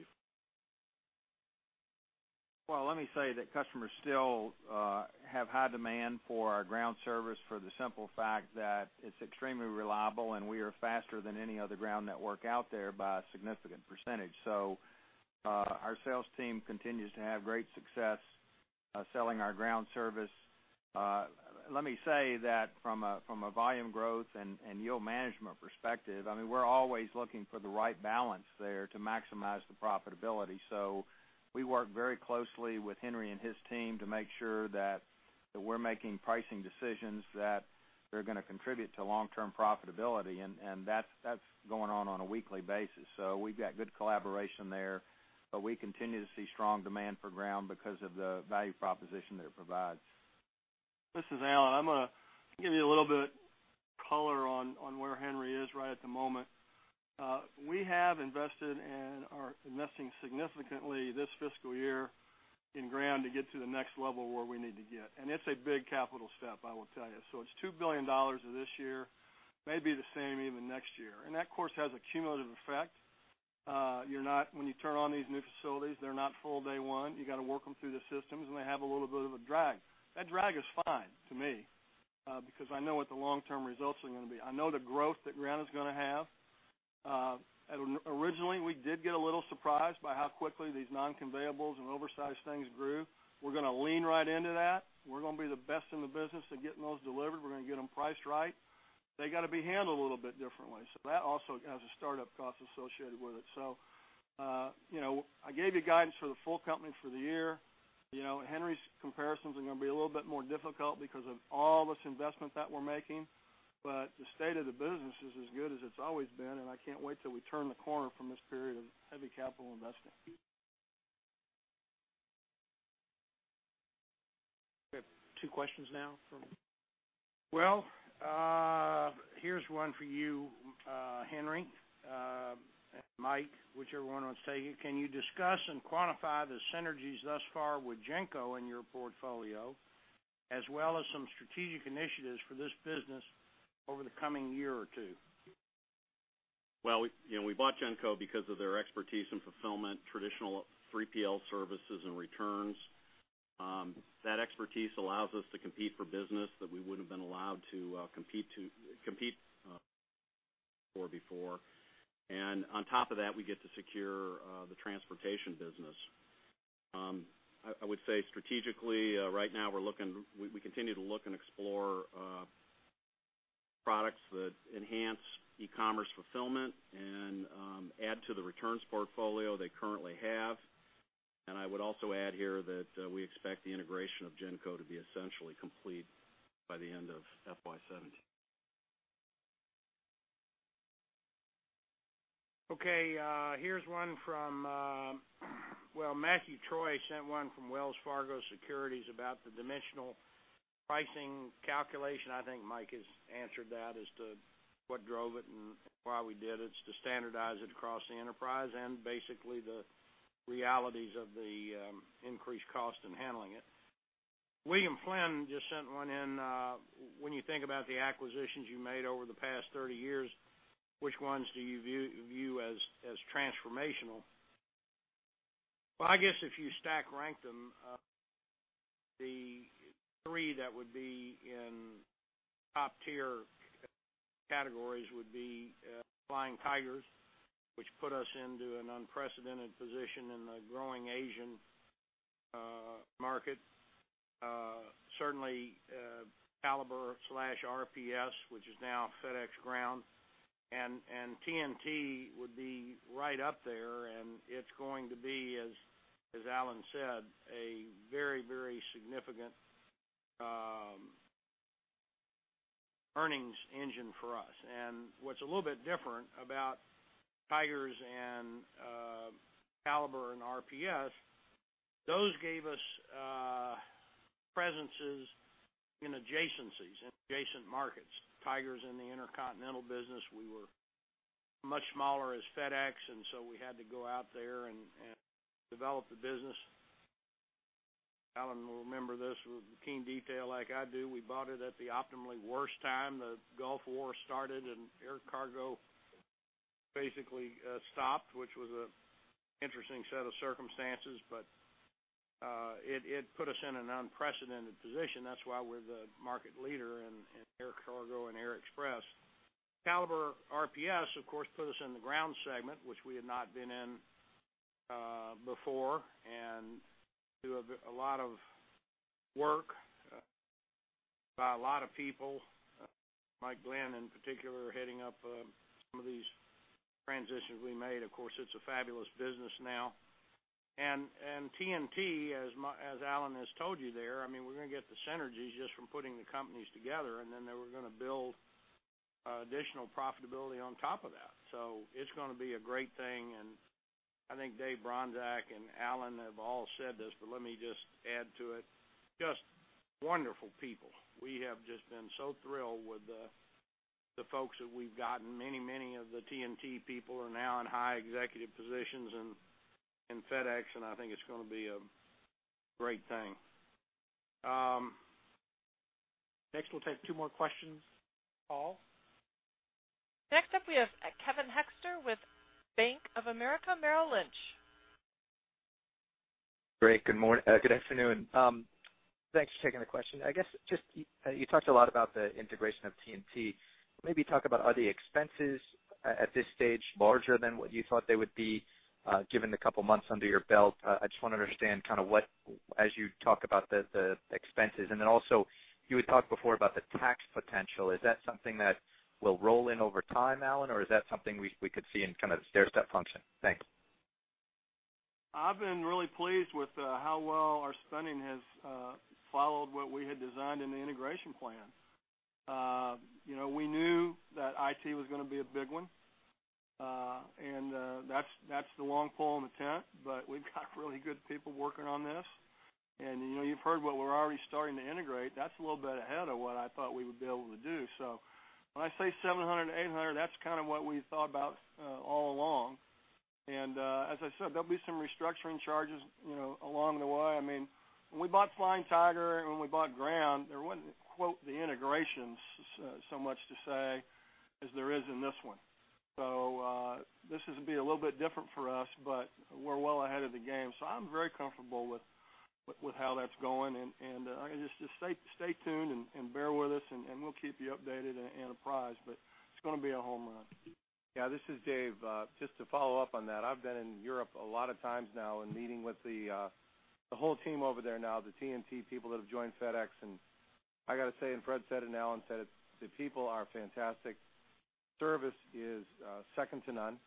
Well, let me say that customers still have high demand for our ground service for the simple fact that it's extremely reliable and we are faster than any other ground network out there by a significant percentage. So our sales team continues to have great success selling our ground service. Let me say that from a volume growth and yield management perspective, I mean, we're always looking for the right balance there to maximize the profitability. So we work very closely with Henry and his team to make sure that we're making pricing decisions that are going to contribute to long-term profitability. And that's going on on a weekly basis. So we've got good collaboration there. But we continue to see strong demand for ground because of the value proposition that it provides. This is Alan. I'm going to give you a little bit of color on where Henry is right at the moment. We have invested and are investing significantly this fiscal year in ground to get to the next level where we need to get. It's a big capital step, I will tell you. It's $2 billion this year, maybe the same even next year. That, of course, has a cumulative effect. When you turn on these new facilities, they're not full day one. You got to work them through the systems, and they have a little bit of a drag. That drag is fine to me because I know what the long-term results are going to be. I know the growth that ground is going to have. Originally, we did get a little surprised by how quickly these non-conveyables and oversized things grew. We're going to lean right into that. We're going to be the best in the business at getting those delivered. We're going to get them priced right. They got to be handled a little bit differently. So that also has a startup cost associated with it. So I gave you guidance for the full company for the year. Henry's comparisons are going to be a little bit more difficult because of all this investment that we're making. But the state of the business is as good as it's always been. And I can't wait till we turn the corner from this period of heavy capital investing. We have two questions now from. Well, here's one for you, Henry, and Mike, whichever one wants to take it. Can you discuss and quantify the synergies thus far with GENCO in your portfolio, as well as some strategic initiatives for this business over the coming year or two? Well, we bought Genco because of their expertise in fulfillment, traditional 3PL services, and returns. That expertise allows us to compete for business that we wouldn't have been allowed to compete for before. And on top of that, we get to secure the transportation business. I would say strategically, right now, we continue to look and explore products that enhance e-commerce fulfillment and add to the returns portfolio they currently have. And I would also add here that we expect the integration of Genco to be essentially complete by the end of FY2017. Okay, here's one from, well, Matthew Troy sent one from Wells Fargo Securities about the dimensional pricing calculation. I think Mike has answered that as to what drove it and why we did it. It's to standardize it across the enterprise and basically the realities of the increased cost in handling it. William Flynn just sent one in. When you think about the acquisitions you made over the past 30 years, which ones do you view as transformational? Well, I guess if you stack rank them, the three that would be in top-tier categories would be Flying Tigers, which put us into an unprecedented position in the growing Asian market. Certainly, Caliber/RPS, which is now FedEx Ground. TNT would be right up there. It's going to be, as Alan said, a very, very significant earnings engine for us. What's a little bit different about Tigers and Caliber and RPS, those gave us presences in adjacencies, in adjacent markets. Tigers in the intercontinental business, we were much smaller as FedEx. So we had to go out there and develop the business. Alan will remember this with keen detail like I do. We bought it at the optimally worst time. The Gulf War started and air cargo basically stopped, which was an interesting set of circumstances. But it put us in an unprecedented position. That's why we're the market leader in air cargo and air express. Caliber RPS, of course, put us in the ground segment, which we had not been in before. And we do a lot of work by a lot of people, Mike Glynn in particular, heading up some of these transitions we made. Of course, it's a fabulous business now. And TNT, as Alan has told you there, I mean, we're going to get the synergies just from putting the companies together. And then they were going to build additional profitability on top of that. So it's going to be a great thing. And I think Dave Bronczek and Alan have all said this, but let me just add to it. Just wonderful people. We have just been so thrilled with the folks that we've gotten. Many, many of the TNT people are now in high executive positions in FedEx. And I think it's going to be a great thing. Next, we'll take two more questions, Paul. Next up, we have Ken Hoexter with Bank of America Merrill Lynch. Great. Good afternoon. Thanks for taking the question. I guess just you talked a lot about the integration of TNT. Maybe talk about, are the expenses at this stage larger than what you thought they would be given the couple of months under your belt? I just want to understand kind of what, as you talk about the expenses. And then also, you had talked before about the tax potential. Is that something that will roll in over time, Alan, or is that something we could see in kind of a stair-step function? Thanks. I've been really pleased with how well our spending has followed what we had designed in the integration plan. We knew that IT was going to be a big one. And that's the long pole in the tent. But we've got really good people working on this. And you've heard what we're already starting to integrate. That's a little bit ahead of what I thought we would be able to do. So when I say 700, 800, that's kind of what we thought about all along. And as I said, there'll be some restructuring charges along the way. I mean, when we bought Flying Tiger and when we bought ground, there wasn't quite the integrations so much to say as there is in this one. So this is going to be a little bit different for us, but we're well ahead of the game. So I'm very comfortable with how that's going. And I can just say stay tuned and bear with us, and we'll keep you updated and apprised. But it's going to be a home run. Yeah, this is Dave. Just to follow up on that, I've been in Europe a lot of times now and meeting with the whole team over there now, the TNT people that have joined FedEx. And I got to say, and Fred said it and Alan said it, the people are fantastic. Service is second to none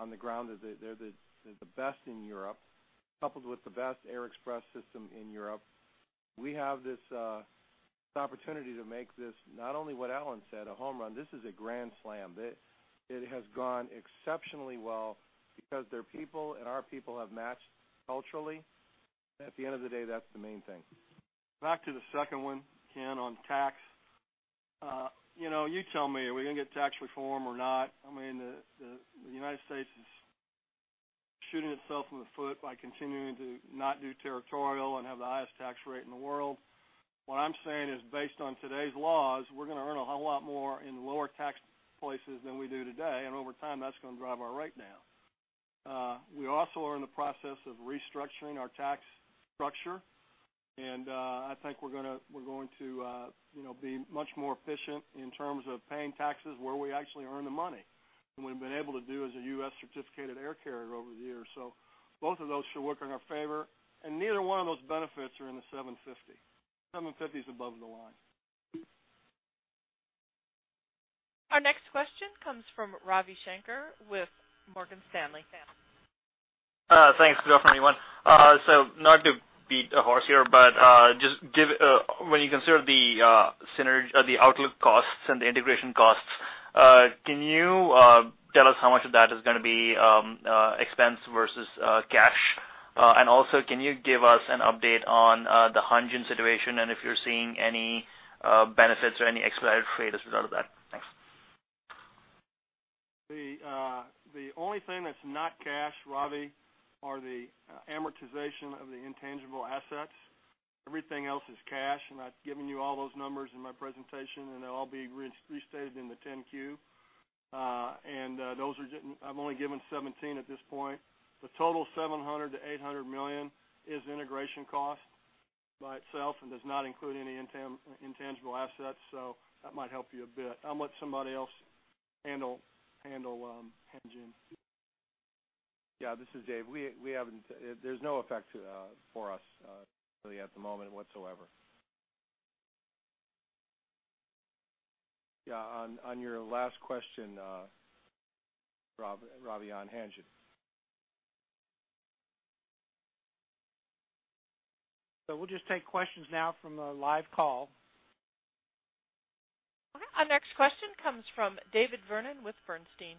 on the ground. They're the best in Europe, coupled with the best air express system in Europe. We have this opportunity to make this not only what Alan said, a home run. This is a grand slam. It has gone exceptionally well because their people and our people have matched culturally. At the end of the day, that's the main thing. Back to the second one, Ken, on tax. You tell me, are we going to get tax reform or not? I mean, the United States is shooting itself in the foot by continuing to not do territorial and have the highest tax rate in the world. What I'm saying is based on today's laws, we're going to earn a whole lot more in lower tax places than we do today. Over time, that's going to drive our rate down. We also are in the process of restructuring our tax structure. I think we're going to be much more efficient in terms of paying taxes where we actually earn the money. We've been able to do as a U.S. certificated air carrier over the years. So both of those should work in our favor. Neither one of those benefits are in the 750. 750 is above the line. Our next question comes from Ravi Shanker with Morgan Stanley. Thanks, Bill, for any one. Not to beat a horse here, but just when you consider the outlook costs and the integration costs, can you tell us how much of that is going to be expense versus cash? And also, can you give us an update on the Hanjin situation and if you're seeing any benefits or any expedited freight as a result of that? Thanks. The only thing that's not cash, Ravi, are the amortization of the intangible assets. Everything else is cash. And I've given you all those numbers in my presentation, and they'll all be restated in the 10-Q. I've only given 17 at this point. The total $700 million-$800 million is integration cost by itself and does not include any intangible assets. So that might help you a bit. I'm going to let somebody else handle Hanjin. Yeah, this is Dave. There's no effect for us really at the moment whatsoever. Yeah, on your last question, Ravi, on Hanjin. So we'll just take questions now from the live call. Our next question comes from David Vernon with Bernstein.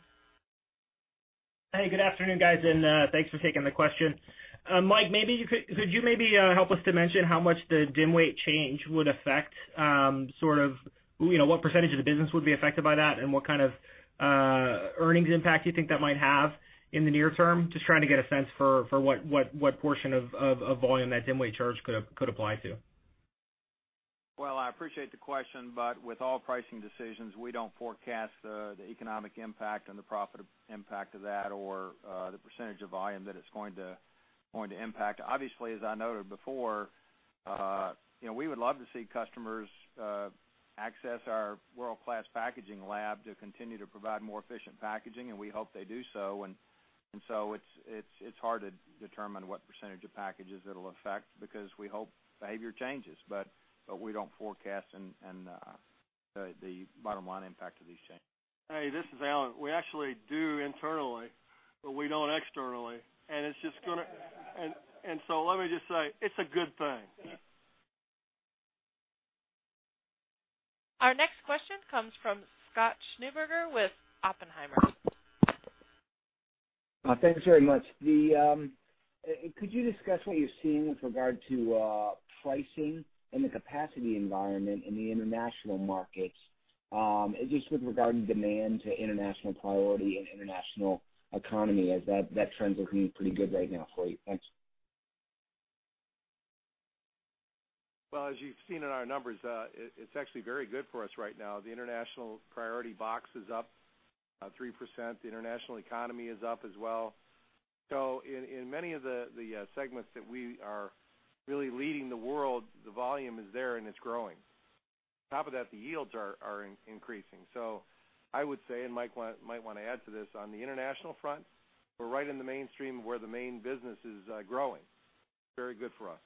Hey, good afternoon, guys. And thanks for taking the question. Mike, could you maybe help us to mention how much the DIM weight change would affect sort of what percentage of the business would be affected by that and what kind of earnings impact you think that might have in the near term? Just trying to get a sense for what portion of volume that DIM weight charge could apply to. Well, I appreciate the question. But with all pricing decisions, we don't forecast the economic impact and the profit impact of that or the percentage of volume that it's going to impact. Obviously, as I noted before, we would love to see customers access our world-class packaging lab to continue to provide more efficient packaging. We hope they do so. So it's hard to determine what percentage of packages it'll affect because we hope behavior changes. But we don't forecast the bottom line impact of these changes. Hey, this is Alan. We actually do internally, but we don't externally. It's just going to - and so let me just say, it's a good thing. Our next question comes from Scott Schneeberger with Oppenheimer. Thanks very much. Could you discuss what you're seeing with regard to pricing and the capacity environment in the international markets? Just with regard to demand to international priority and international economy, as that trend's looking pretty good right now for you. Thanks. Well, as you've seen in our numbers, it's actually very good for us right now. The international priority box is up 3%. The international economy is up as well. So in many of the segments that we are really leading the world, the volume is there and it's growing. On top of that, the yields are increasing. So I would say, and Mike might want to add to this, on the international front, we're right in the mainstream where the main business is growing. Very good for us.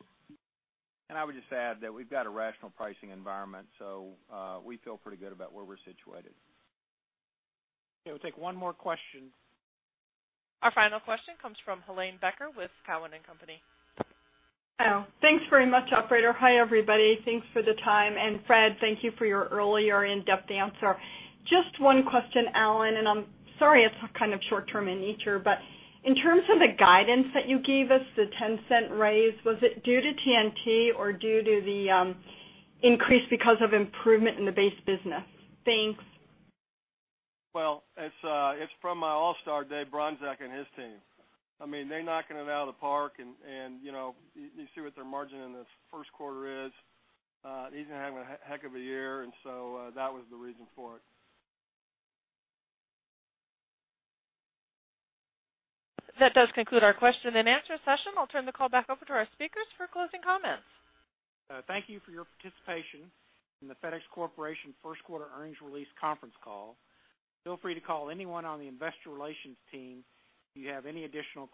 And I would just add that we've got a rational pricing environment. So we feel pretty good about where we're situated. Okay, we'll take one more question. Our final question comes from Helane Becker with Cowen & Company. Hello. Thanks very much, operator. Hi, everybody. Thanks for the time. Fred, thank you for your earlier in-depth answer. Just one question, Alan, and I'm sorry it's kind of short-term in nature, but in terms of the guidance that you gave us, the $0.10 raise, was it due to TNT or due to the increase because of improvement in the base business? Thanks. Well, it's from my all-star, Dave Bronczek and his team. I mean, they're knocking it out of the park. You see what their margin in the first quarter is. He's been having a heck of a year. So that was the reason for it. That does conclude our question and answer session. I'll turn the call back over to our speakers for closing comments. Thank you for your participation in the FedEx Corporation first-quarter earnings release conference call. Feel free to call anyone on the investor relations team if you have any additional.